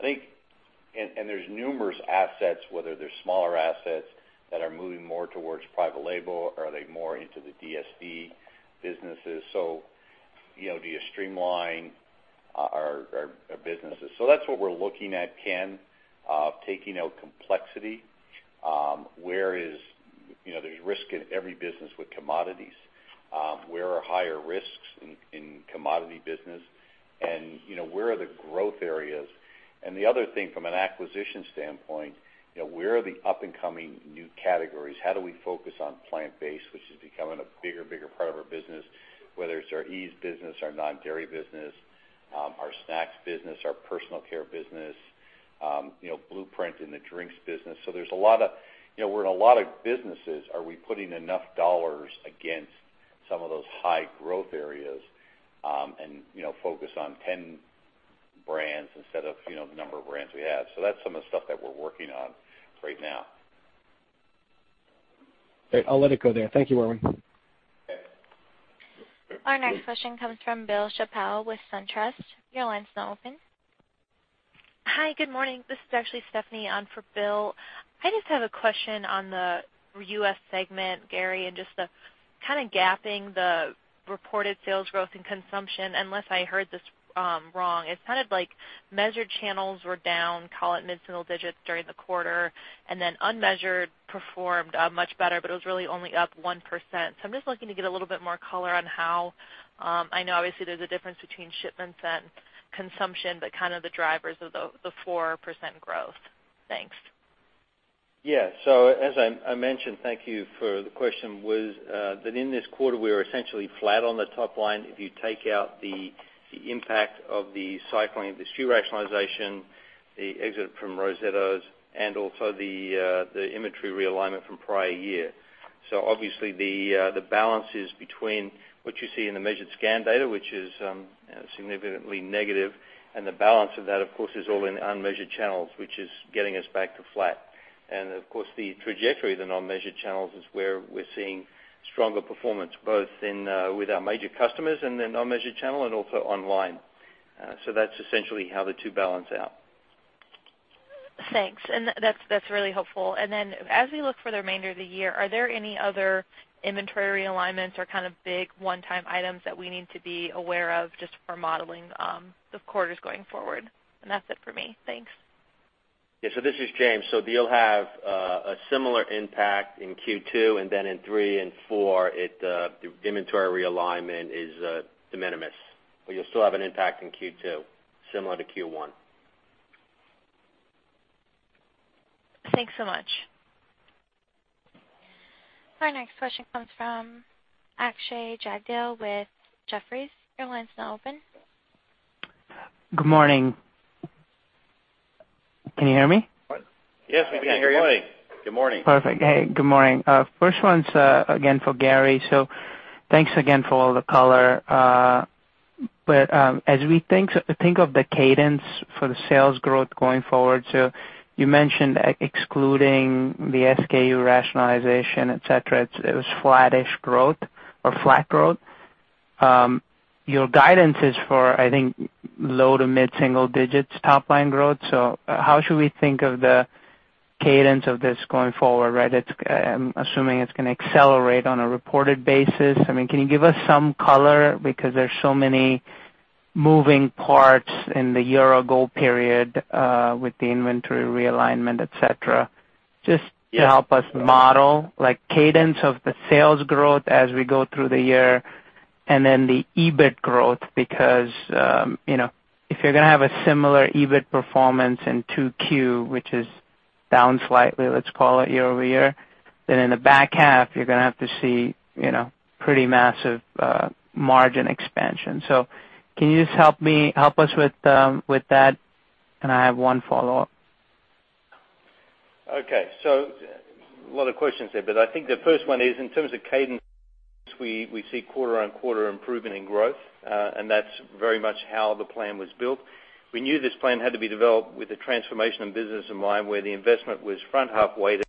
S3: There's numerous assets, whether they're smaller assets that are moving more towards private label or are they more into the DSD businesses. Do you streamline our businesses? That's what we're looking at, Ken, taking out complexity. There's risk in every business with commodities. Where are higher risks in commodity business and where are the growth areas? The other thing from an acquisition standpoint, where are the up-and-coming new categories? How do we focus on plant-based, which is becoming a bigger part of our business, whether it's our Yves business, our non-dairy business, our snacks business, our personal care business, BluePrint in the drinks business. We're in a lot of businesses. Are we putting enough dollars against some of those high-growth areas and focus on 10 brands instead of the number of brands we have? That's some of the stuff that we're working on right now.
S7: Great. I'll let it go there. Thank you, Irwin.
S3: Okay.
S1: Our next question comes from Bill Chappell with SunTrust. Your line's now open.
S8: Hi. Good morning. This is actually Stephanie on for Bill. I just have a question on the U.S. segment, Gary, and just the kind of gapping the reported sales growth and consumption, unless I heard this wrong. It's kind of like measured channels were down, call it mid-single digits during the quarter, and then unmeasured performed much better, but it was really only up 1%. I'm just looking to get a little bit more color on how, I know obviously there's a difference between shipments and consumption, but kind of the drivers of the 4% growth. Thanks.
S4: Yeah. As I mentioned, thank you for the question, was that in this quarter, we were essentially flat on the top line if you take out the impact of the cycling of the SKU rationalization, the exit from Rosetto, and also the inventory realignment from prior year. Obviously the balance is between what you see in the measured scan data, which is significantly negative, and the balance of that, of course, is all in unmeasured channels, which is getting us back to flat. Of course, the trajectory of the non-measured channels is where we're seeing stronger performance, both with our major customers in the non-measured channel and also online. That's essentially how the two balance out.
S8: Thanks. That's really helpful. Then as we look for the remainder of the year, are there any other inventory realignments or kind of big one-time items that we need to be aware of just for modeling the quarters going forward? That's it for me. Thanks.
S5: Yeah. This is James. You'll have a similar impact in Q2, and then in three and four, the inventory realignment is de minimis. You'll still have an impact in Q2 similar to Q1.
S8: Thanks so much.
S1: Our next question comes from Akshay Jagdale with Jefferies. Your line's now open.
S9: Good morning. Can you hear me?
S3: Yes, we can hear you.
S4: Good morning.
S9: Perfect. Hey, good morning. First one's, again, for Gary. Thanks again for all the color. As we think of the cadence for the sales growth going forward, you mentioned excluding the SKU rationalization, et cetera, it was flattish growth or flat growth. Your guidance is for, I think, low to mid-single digits top-line growth. How should we think of the cadence of this going forward, right? I'm assuming it's going to accelerate on a reported basis. Can you give us some color because there's so many moving parts in the year-ago period with the inventory realignment, et cetera. Just to help us model cadence of the sales growth as we go through the year and the EBIT growth. If you're going to have a similar EBIT performance in 2Q, which is down slightly, let's call it year-over-year, in the back half, you're going to have to see pretty massive margin expansion. Can you just help us with that? I have one follow-up.
S4: Okay. A lot of questions there, but I think the first one is, in terms of cadence, we see quarter-on-quarter improvement in growth, and that's very much how the plan was built. We knew this plan had to be developed with the transformation of business in mind, where the investment was front-half weighted,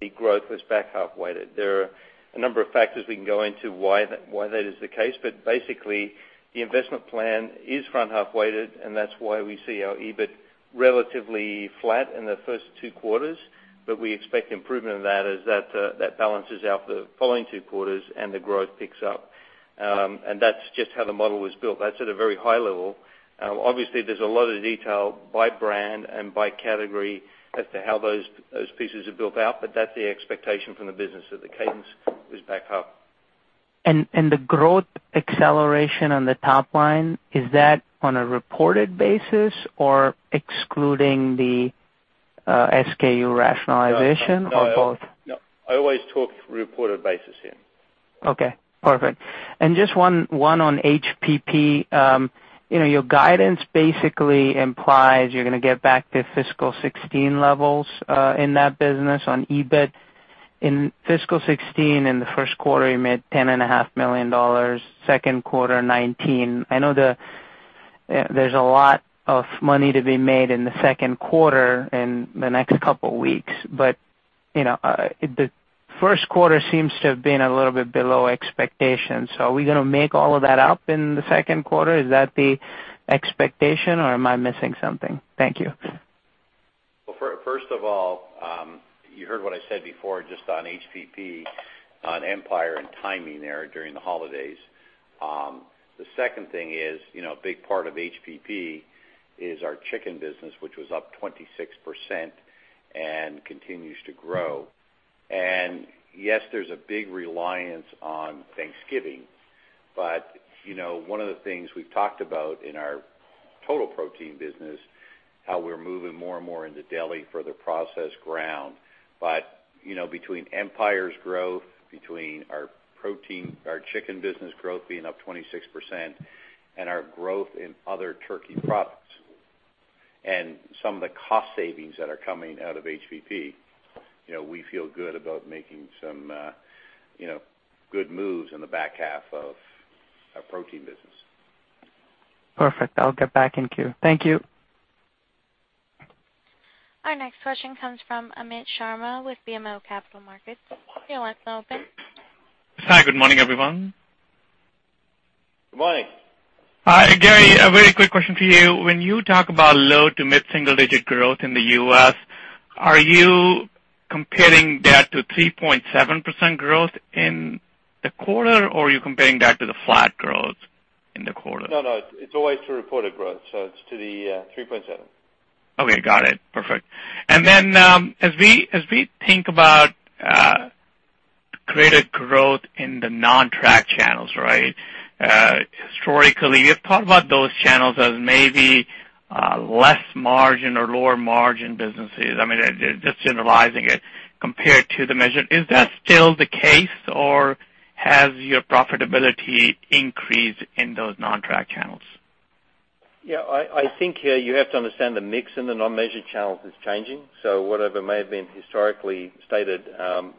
S4: the growth was back-half weighted. There are a number of factors we can go into why that is the case, but basically, the investment plan is front-half weighted, and that's why we see our EBIT relatively flat in the first two quarters. We expect improvement in that as that balances out the following two quarters and the growth picks up. That's just how the model was built. That's at a very high level. Obviously, there's a lot of detail by brand and by category as to how those pieces are built out, but that's the expectation from the business, that the cadence is back up.
S9: The growth acceleration on the top line, is that on a reported basis or excluding the SKU rationalization or both?
S4: No, I always talk reported basis here.
S9: Okay, perfect. Just one on HPP. Your guidance basically implies you're going to get back to fiscal 2016 levels in that business on EBIT. In fiscal 2016, in the first quarter, you made $10.5 million, second quarter, $19 million. I know there's a lot of money to be made in the second quarter, in the next couple of weeks, the first quarter seems to have been a little bit below expectations. Are we going to make all of that up in the second quarter? Is that the expectation, or am I missing something? Thank you.
S3: Well, first of all, you heard what I said before, just on HPP, on Empire and timing there during the holidays. The second thing is, a big part of HPP is our chicken business, which was up 26% and continues to grow. Yes, there's a big reliance on Thanksgiving, one of the things we've talked about in our total protein business, how we're moving more and more into deli for the processed ground. Between Empire's growth, between our chicken business growth being up 26%, and our growth in other turkey products, and some of the cost savings that are coming out of HPP, we feel good about making some good moves in the back half of our protein business.
S9: Perfect. I'll get back in queue. Thank you.
S1: Our next question comes from Amit Sharma with BMO Capital Markets. Your line's now open.
S10: Hi, good morning, everyone.
S3: Good morning.
S10: Hi, Gary, a very quick question for you. When you talk about low to mid single-digit growth in the U.S., are you comparing that to 3.7% growth in the quarter, or are you comparing that to the flat growth in the quarter?
S4: No, it's always to reported growth. It's to the 3.7%.
S10: Okay, got it. Perfect. As we think about greater growth in the non-track channels. Historically, you've talked about those channels as maybe less margin or lower margin businesses. I mean, just generalizing it compared to the measure. Is that still the case, or has your profitability increased in those non-track channels?
S4: Yeah, I think here you have to understand the mix in the non-measured channels is changing. Whatever may have been historically stated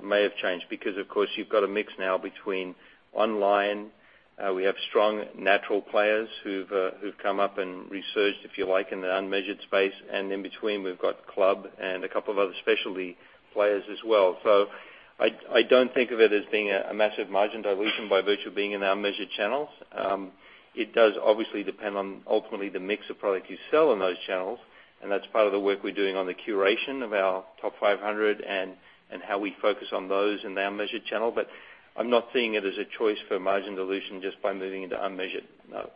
S4: may have changed because, of course, you've got a mix now between online. We have strong natural players who've come up and resurged, if you like, in the unmeasured space. In between, we've got Club and a couple of other specialty players as well. I don't think of it as being a massive margin dilution by virtue of being in our measured channels. It does obviously depend on ultimately the mix of product you sell in those channels, and that's part of the work we're doing on the curation of our top 500 and how we focus on those in the unmeasured channel. I'm not seeing it as a choice for margin dilution just by moving into unmeasured. No.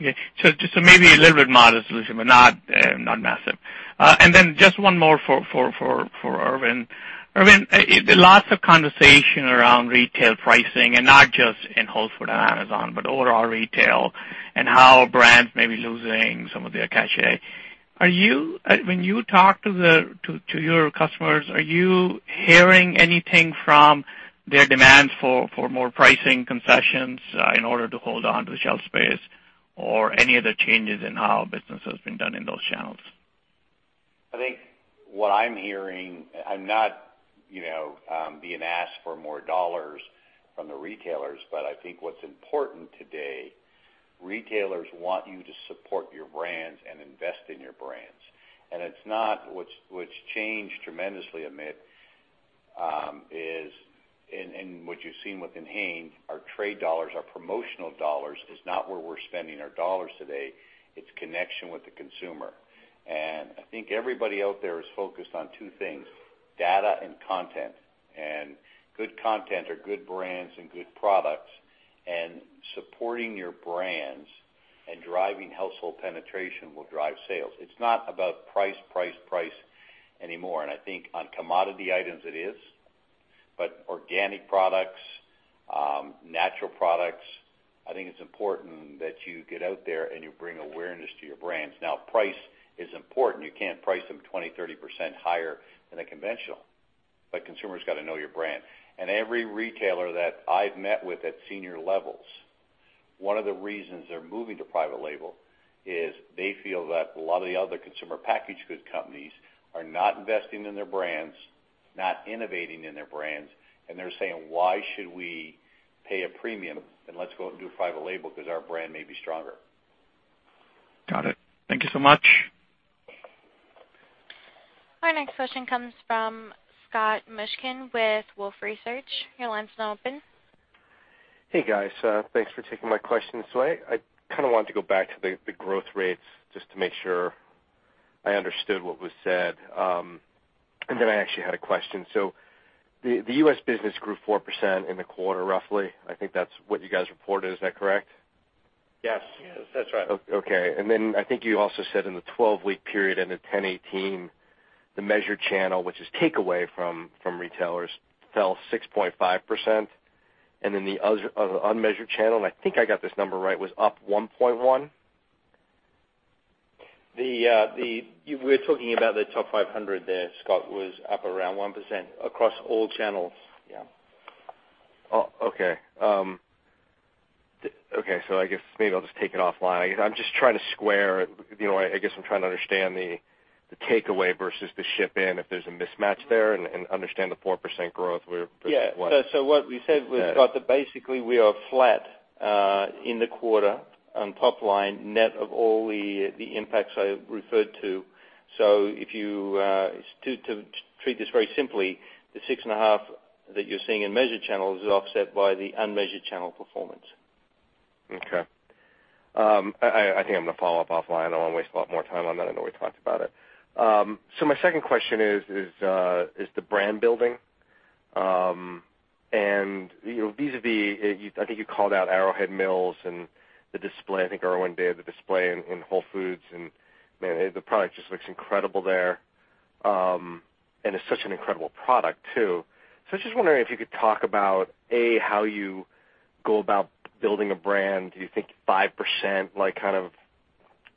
S10: Okay. Just maybe a little bit modest dilution, but not massive. Just one more for Irwin. Irwin, lots of conversation around retail pricing, and not just in Whole Foods Market and Amazon, but overall retail and how brands may be losing some of their cachet. When you talk to your customers, are you hearing anything from their demands for more pricing concessions in order to hold onto the shelf space or any other changes in how business has been done in those channels?
S3: I think what I'm hearing, I'm not being asked for more dollars from the retailers. I think what's important today, retailers want you to support your brands and invest in your brands. What's changed tremendously, Amit, is, what you've seen within Hain, our trade dollars, our promotional dollars is not where we're spending our dollars today. It's connection with the consumer. I think everybody out there is focused on 2 things. data and content. Good content are good brands and good products. Supporting your brands and driving household penetration will drive sales. It's not about price, price anymore. I think on commodity items it is, but organic products, natural products, I think it's important that you get out there and you bring awareness to your brands. Price is important. You can't price them 20%, 30% higher than a conventional, but consumers got to know your brand. Every retailer that I've met with at senior levels, one of the reasons they're moving to private label is they feel that a lot of the other consumer packaged goods companies are not investing in their brands, not innovating in their brands, and they're saying, "Why should we pay a premium? Let's go out and do a private label because our brand may be stronger.
S10: Got it. Thank you so much.
S1: Our next question comes from Scott Mushkin with Wolfe Research. Your line's now open.
S11: Hey, guys. Thanks for taking my question. I kind of wanted to go back to the growth rates just to make sure I understood what was said. I actually had a question. The U.S. business grew 4% in the quarter, roughly. I think that's what you guys reported. Is that correct?
S3: Yes.
S4: Yes, that's right.
S11: Okay. Then I think you also said in the 12-week period ended 10/18, the measured channel, which is takeaway from retailers, fell 6.5%. Then the unmeasured channel, and I think I got this number right, was up 1.1%?
S4: We're talking about the top 500 there, Scott, was up around 1% across all channels. Yeah.
S11: Oh, okay. I guess maybe I'll just take it offline. I guess I'm just trying to square it. I guess I'm just trying to understand the takeaway versus the ship in, if there's a mismatch there, and understand the 4% growth.
S4: What we said was, Scott, that basically we are flat in the quarter on top line net of all the impacts I referred to. To treat this very simply, the 6.5 that you're seeing in measured channels is offset by the unmeasured channel performance.
S11: I think I'm going to follow up offline. I don't want to waste a lot more time on that. I know we talked about it. My second question is the brand building. Vis-a-vis, I think you called out Arrowhead Mills and the display. I think Irwin did the display in Whole Foods, and man, the product just looks incredible there. It's such an incredible product, too. I was just wondering if you could talk about, A, how you go about building a brand. Do you think 5%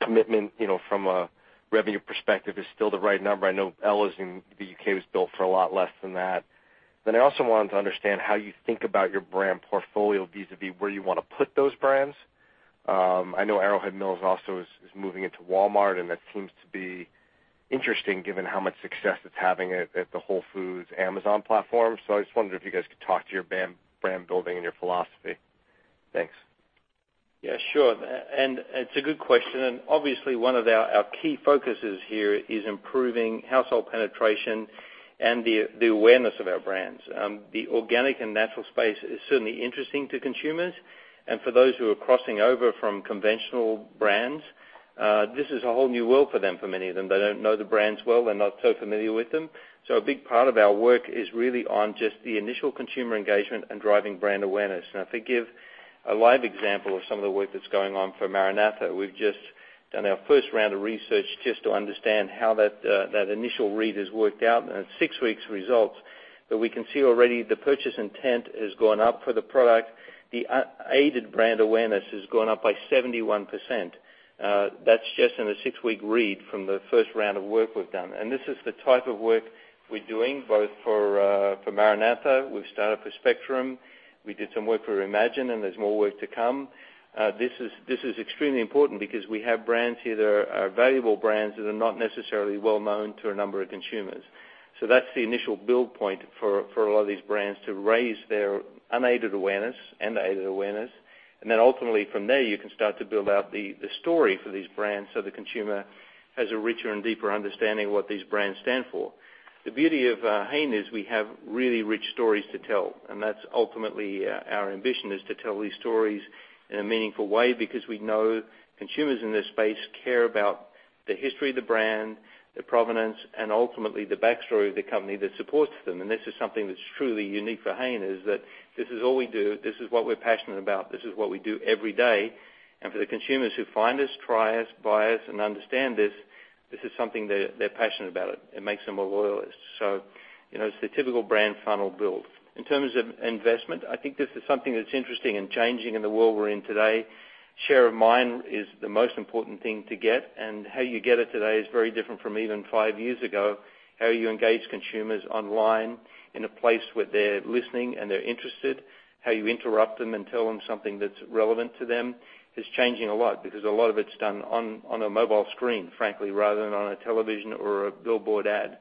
S11: commitment from a revenue perspective is still the right number? I know Ella's in the U.K. was built for a lot less than that. I also wanted to understand how you think about your brand portfolio vis-a-vis where you want to put those brands. I know Arrowhead Mills also is moving into Walmart, and that seems to be interesting given how much success it's having at the Whole Foods Amazon platform. I just wondered if you guys could talk to your brand building and your philosophy. Thanks.
S4: Sure. It's a good question, and obviously one of our key focuses here is improving household penetration and the awareness of our brands. The organic and natural space is certainly interesting to consumers. For those who are crossing over from conventional brands, this is a whole new world for them, for many of them. They don't know the brands well. They're not so familiar with them. A big part of our work is really on just the initial consumer engagement and driving brand awareness. I think give a live example of some of the work that's going on for MaraNatha. We've just done our first round of research just to understand how that initial read has worked out. It's six weeks results, but we can see already the purchase intent has gone up for the product. The aided brand awareness has gone up by 71%. That's just in a six-week read from the first round of work we've done. This is the type of work we're doing both for MaraNatha. We've started for Spectrum. There's more work to come. This is extremely important because we have brands here that are valuable brands that are not necessarily well-known to a number of consumers. That's the initial build point for a lot of these brands to raise their unaided awareness and aided awareness. Ultimately from there, you can start to build out the story for these brands so the consumer has a richer and deeper understanding of what these brands stand for. The beauty of Hain is we have really rich stories to tell. That's ultimately our ambition is to tell these stories in a meaningful way because we know consumers in this space care about the history of the brand, the provenance, and ultimately the backstory of the company that supports them. This is something that's truly unique for Hain, is that this is all we do. This is what we're passionate about. This is what we do every day. For the consumers who find us, try us, buy us, and understand this is something that they're passionate about it. It makes them a loyalist. It's the typical brand funnel build. In terms of investment, I think this is something that's interesting and changing in the world we're in today. Share of mind is the most important thing to get. How you get it today is very different from even five years ago. How you engage consumers online in a place where they're listening and they're interested, how you interrupt them and tell them something that's relevant to them is changing a lot because a lot of it's done on a mobile screen, frankly, rather than on a television or a billboard ad.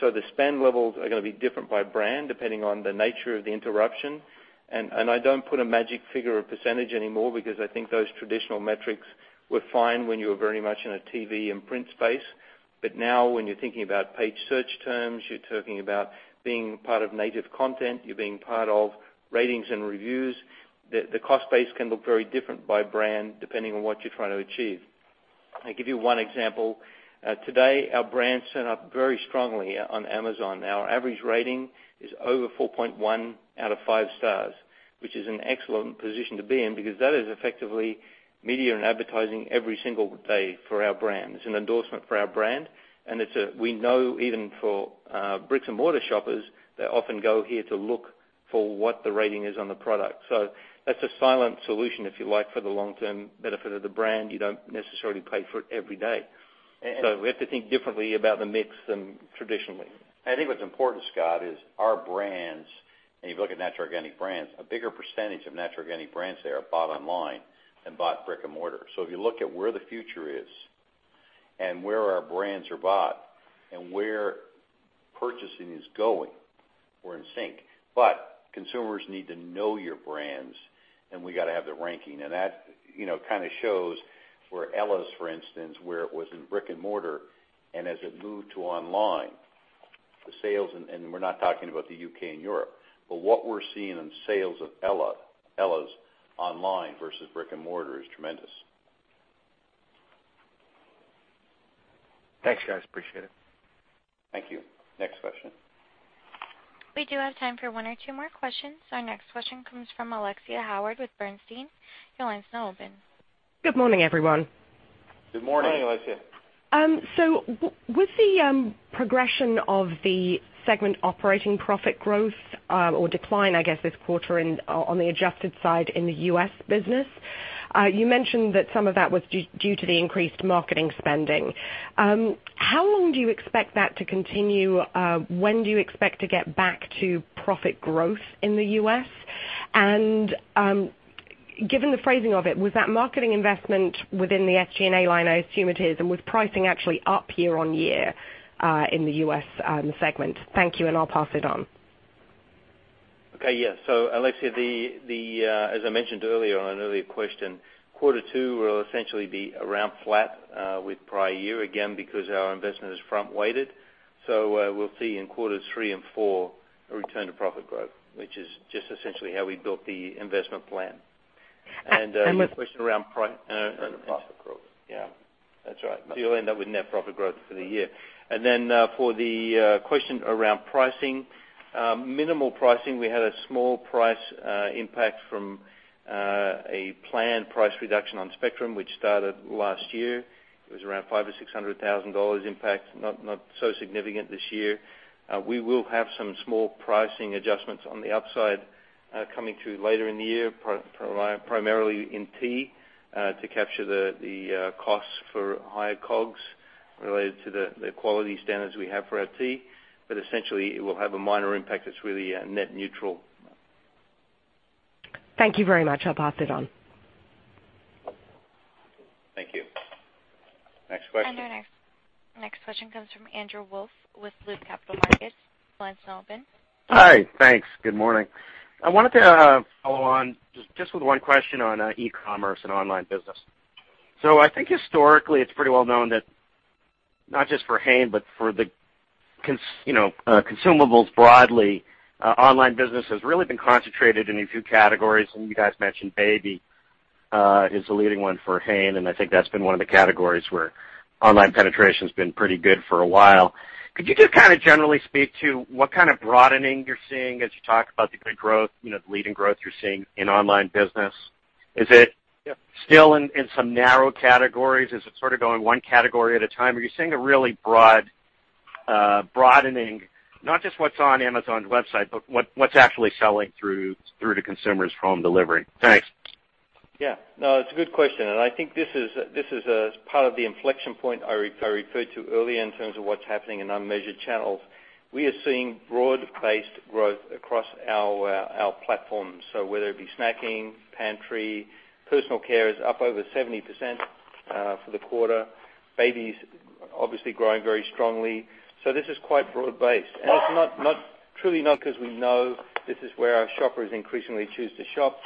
S4: The spend levels are going to be different by brand, depending on the nature of the interruption. I don't put a magic figure or percentage anymore because I think those traditional metrics were fine when you were very much in a TV and print space. Now when you're thinking about page search terms, you're talking about being part of native content, you're being part of ratings and reviews, the cost base can look very different by brand, depending on what you're trying to achieve. I'll give you one example. Today, our brands turn up very strongly on Amazon. Our average rating is over 4.1 out of five stars, which is an excellent position to be in because that is effectively media and advertising every single day for our brands and endorsement for our brand. We know even for bricks and mortar shoppers, they often go here to look for what the rating is on the product. That's a silent solution, if you like, for the long-term benefit of the brand. You don't necessarily pay for it every day. We have to think differently about the mix than traditionally.
S3: I think what's important, Scott, is our brands. If you look at natural organic brands, a bigger percentage of natural organic brands there are bought online than bought brick and mortar. If you look at where the future is and where our brands are bought and where purchasing is going, we're in sync. Consumers need to know your brands, and we got to have the ranking. That kind of shows where Ella's, for instance, where it was in brick and mortar, and as it moved to online, the sales, and we're not talking about the U.K. and Europe, but what we're seeing in sales of Ella's online versus brick and mortar is tremendous.
S11: Thanks, guys. Appreciate it.
S3: Thank you. Next question.
S1: We do have time for one or two more questions. Our next question comes from Alexia Howard with Bernstein. Your line's now open.
S12: Good morning, everyone.
S3: Good morning.
S4: Good morning, Alexia.
S12: With the progression of the segment operating profit growth, or decline, I guess, this quarter on the adjusted side in the U.S. business, you mentioned that some of that was due to the increased marketing spending. How long do you expect that to continue? When do you expect to get back to profit growth in the U.S.? Given the phrasing of it, was that marketing investment within the SG&A line? I assume it is. Was pricing actually up year-on-year, in the U.S. segment? Thank you, and I'll pass it on.
S4: Okay. Yeah. Alexia, as I mentioned earlier on an earlier question, quarter two will essentially be around flat, with prior year, again, because our investment is front-weighted. We'll see in quarters three and four a return to profit growth, which is just essentially how we built the investment plan. Your question around
S3: Net profit growth.
S4: Yeah. That's right. You'll end up with net profit growth for the year. For the question around pricing, minimal pricing. We had a small price impact from a planned price reduction on Spectrum, which started last year. It was around $500,000-$600,000 impact. Not so significant this year. We will have some small pricing adjustments on the upside coming through later in the year, primarily in tea, to capture the costs for higher COGS related to the quality standards we have for our tea. Essentially, it will have a minor impact. It's really net neutral.
S12: Thank you very much. I'll pass it on.
S3: Thank you. Next question.
S1: Our next question comes from Andrew Wolf with Loop Capital Markets. Your line's now open.
S13: Hi. Thanks. Good morning. I wanted to follow on just with one question on e-commerce and online business. I think historically, it is pretty well known that not just for Hain, but for the consumables broadly, online business has really been concentrated in a few categories, and you guys mentioned baby, is the leading one for Hain, and I think that has been one of the categories where online penetration has been pretty good for a while. Could you just kind of generally speak to what kind of broadening you are seeing as you talk about the good growth, the leading growth you are seeing in online business? Is it still in some narrow categories? Is it sort of going one category at a time? Are you seeing a really broad broadening, not just what is on Amazon's website, but what is actually selling through to consumers' home delivery? Thanks.
S4: No, it is a good question, and I think this is part of the inflection point I referred to earlier in terms of what is happening in unmeasured channels. We are seeing broad-based growth across our platforms. Whether it be snacking, pantry, personal care is up over 70% for the quarter. Baby is obviously growing very strongly. This is quite broad based, and it is truly not because we know this is where our shoppers increasingly choose to shop.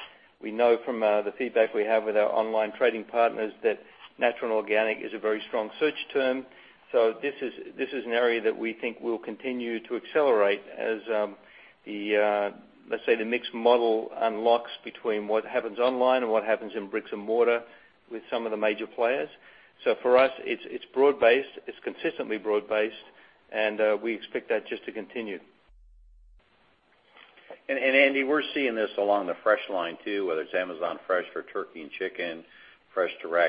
S4: We know from the feedback we have with our online trading partners that natural and organic is a very strong search term. This is an area that we think will continue to accelerate as, let us say the mixed model unlocks between what happens online and what happens in bricks and mortar with some of the major players. For us, it's broad-based, it's consistently broad-based, and we expect that just to continue.
S3: Andy, we're seeing this along the fresh line too, whether it's Amazon Fresh for turkey and chicken, FreshDirect.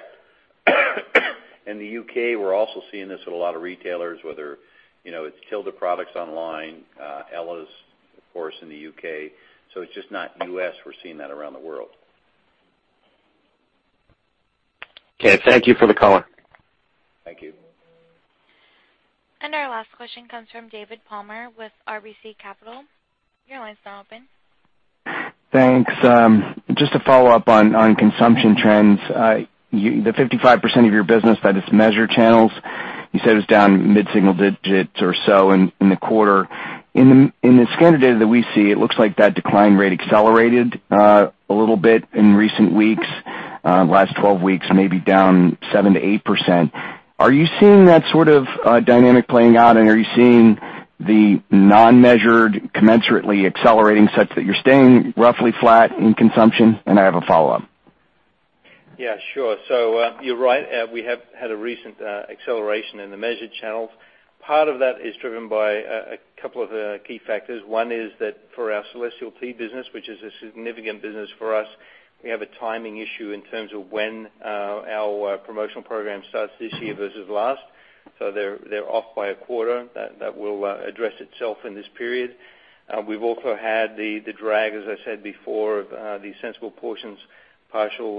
S3: In the U.K., we're also seeing this with a lot of retailers, whether it's Tilda products online, Ella's, of course, in the U.K. It's just not U.S. We're seeing that around the world.
S13: Okay. Thank you for the color.
S3: Thank you.
S1: Our last question comes from David Palmer with RBC Capital. Your line's now open.
S14: Thanks. Just to follow up on consumption trends. The 55% of your business that is measured channels, you said it was down mid-single digits or so in the quarter. In the scanner data that we see, it looks like that decline rate accelerated a little bit in recent weeks. Last 12 weeks may be down 7%-8%. Are you seeing that sort of dynamic playing out, and are you seeing the non-measured commensurately accelerating such that you're staying roughly flat in consumption? I have a follow-up.
S4: Yeah, sure. You're right. We have had a recent acceleration in the measured channels. Part of that is driven by a couple of key factors. One is that for our Celestial Tea business, which is a significant business for us, we have a timing issue in terms of when our promotional program starts this year versus last. They're off by a quarter. That will address itself in this period. We've also had the drag, as I said before, of the Sensible Portions partial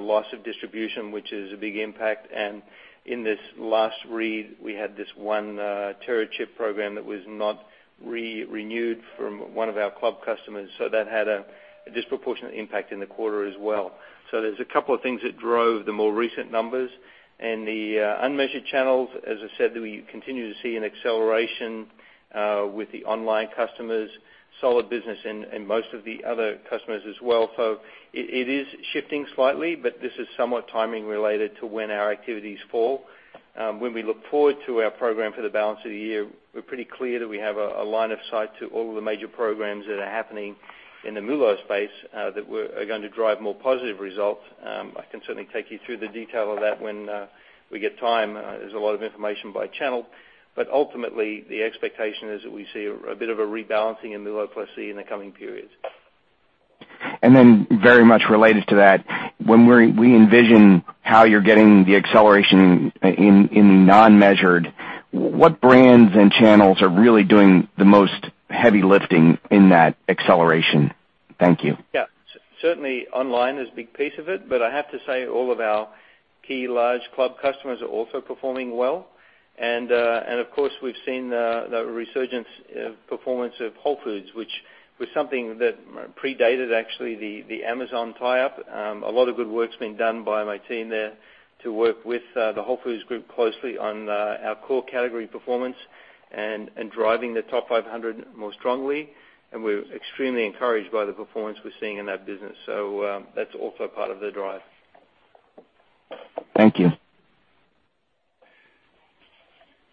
S4: loss of distribution, which is a big impact. In this last read, we had this one Terra chip program that was not renewed from one of our club customers, so that had a disproportionate impact in the quarter as well. There's a couple of things that drove the more recent numbers. In the unmeasured channels, as I said, we continue to see an acceleration with the online customers, solid business in most of the other customers as well. It is shifting slightly, but this is somewhat timing related to when our activities fall. When we look forward to our program for the balance of the year, we're pretty clear that we have a line of sight to all of the major programs that are happening in the MULO space that are going to drive more positive results. I can certainly take you through the detail of that when we get time. There's a lot of information by channel. Ultimately, the expectation is that we see a bit of a rebalancing in MULO plus C in the coming periods.
S14: Very much related to that, when we envision how you're getting the acceleration in the non-measured, what brands and channels are really doing the most heavy lifting in that acceleration? Thank you.
S4: Yeah. Certainly, online is a big piece of it, but I have to say, all of our key large club customers are also performing well. Of course, we've seen the resurgence of performance of Whole Foods, which was something that predated actually the Amazon tie-up. A lot of good work's been done by my team there to work with the Whole Foods group closely on our core category performance and driving the top 500 more strongly, and we're extremely encouraged by the performance we're seeing in that business. That's also part of the drive.
S14: Thank you.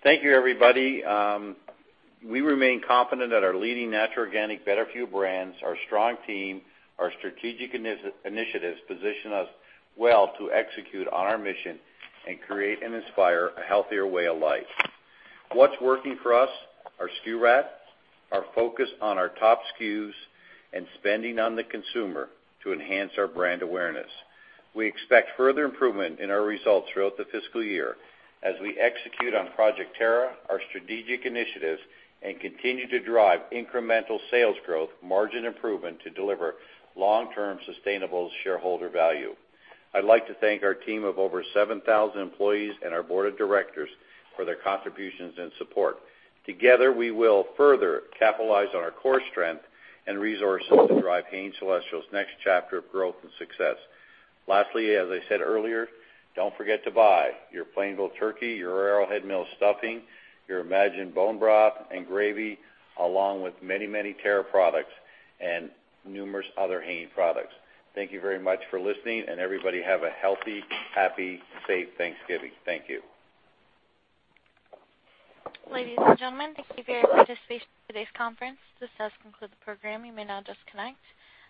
S3: Thank you, everybody. We remain confident that our leading natural, organic Better-for-You brands, our strong team, our strategic initiatives position us well to execute on our mission and create and inspire a healthier way of life. What's working for us are SKU rationalizations, our focus on our top SKUs, and spending on the consumer to enhance our brand awareness. We expect further improvement in our results throughout the fiscal year as we execute on Project Terra, our strategic initiatives, and continue to drive incremental sales growth, margin improvement to deliver long-term sustainable shareholder value. I'd like to thank our team of over 7,000 employees and our board of directors for their contributions and support. Together, we will further capitalize on our core strength and resources to drive Hain Celestial's next chapter of growth and success. Lastly, as I said earlier, don't forget to buy your Plainville turkey, your Arrowhead Mills stuffing, your Imagine bone broth and gravy, along with many Terra products and numerous other Hain products. Thank you very much for listening, and everybody have a healthy, happy, safe Thanksgiving. Thank you.
S1: Ladies and gentlemen, thank you for your participation in today's conference. This does conclude the program. You may now disconnect.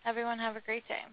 S1: Everyone, have a great day.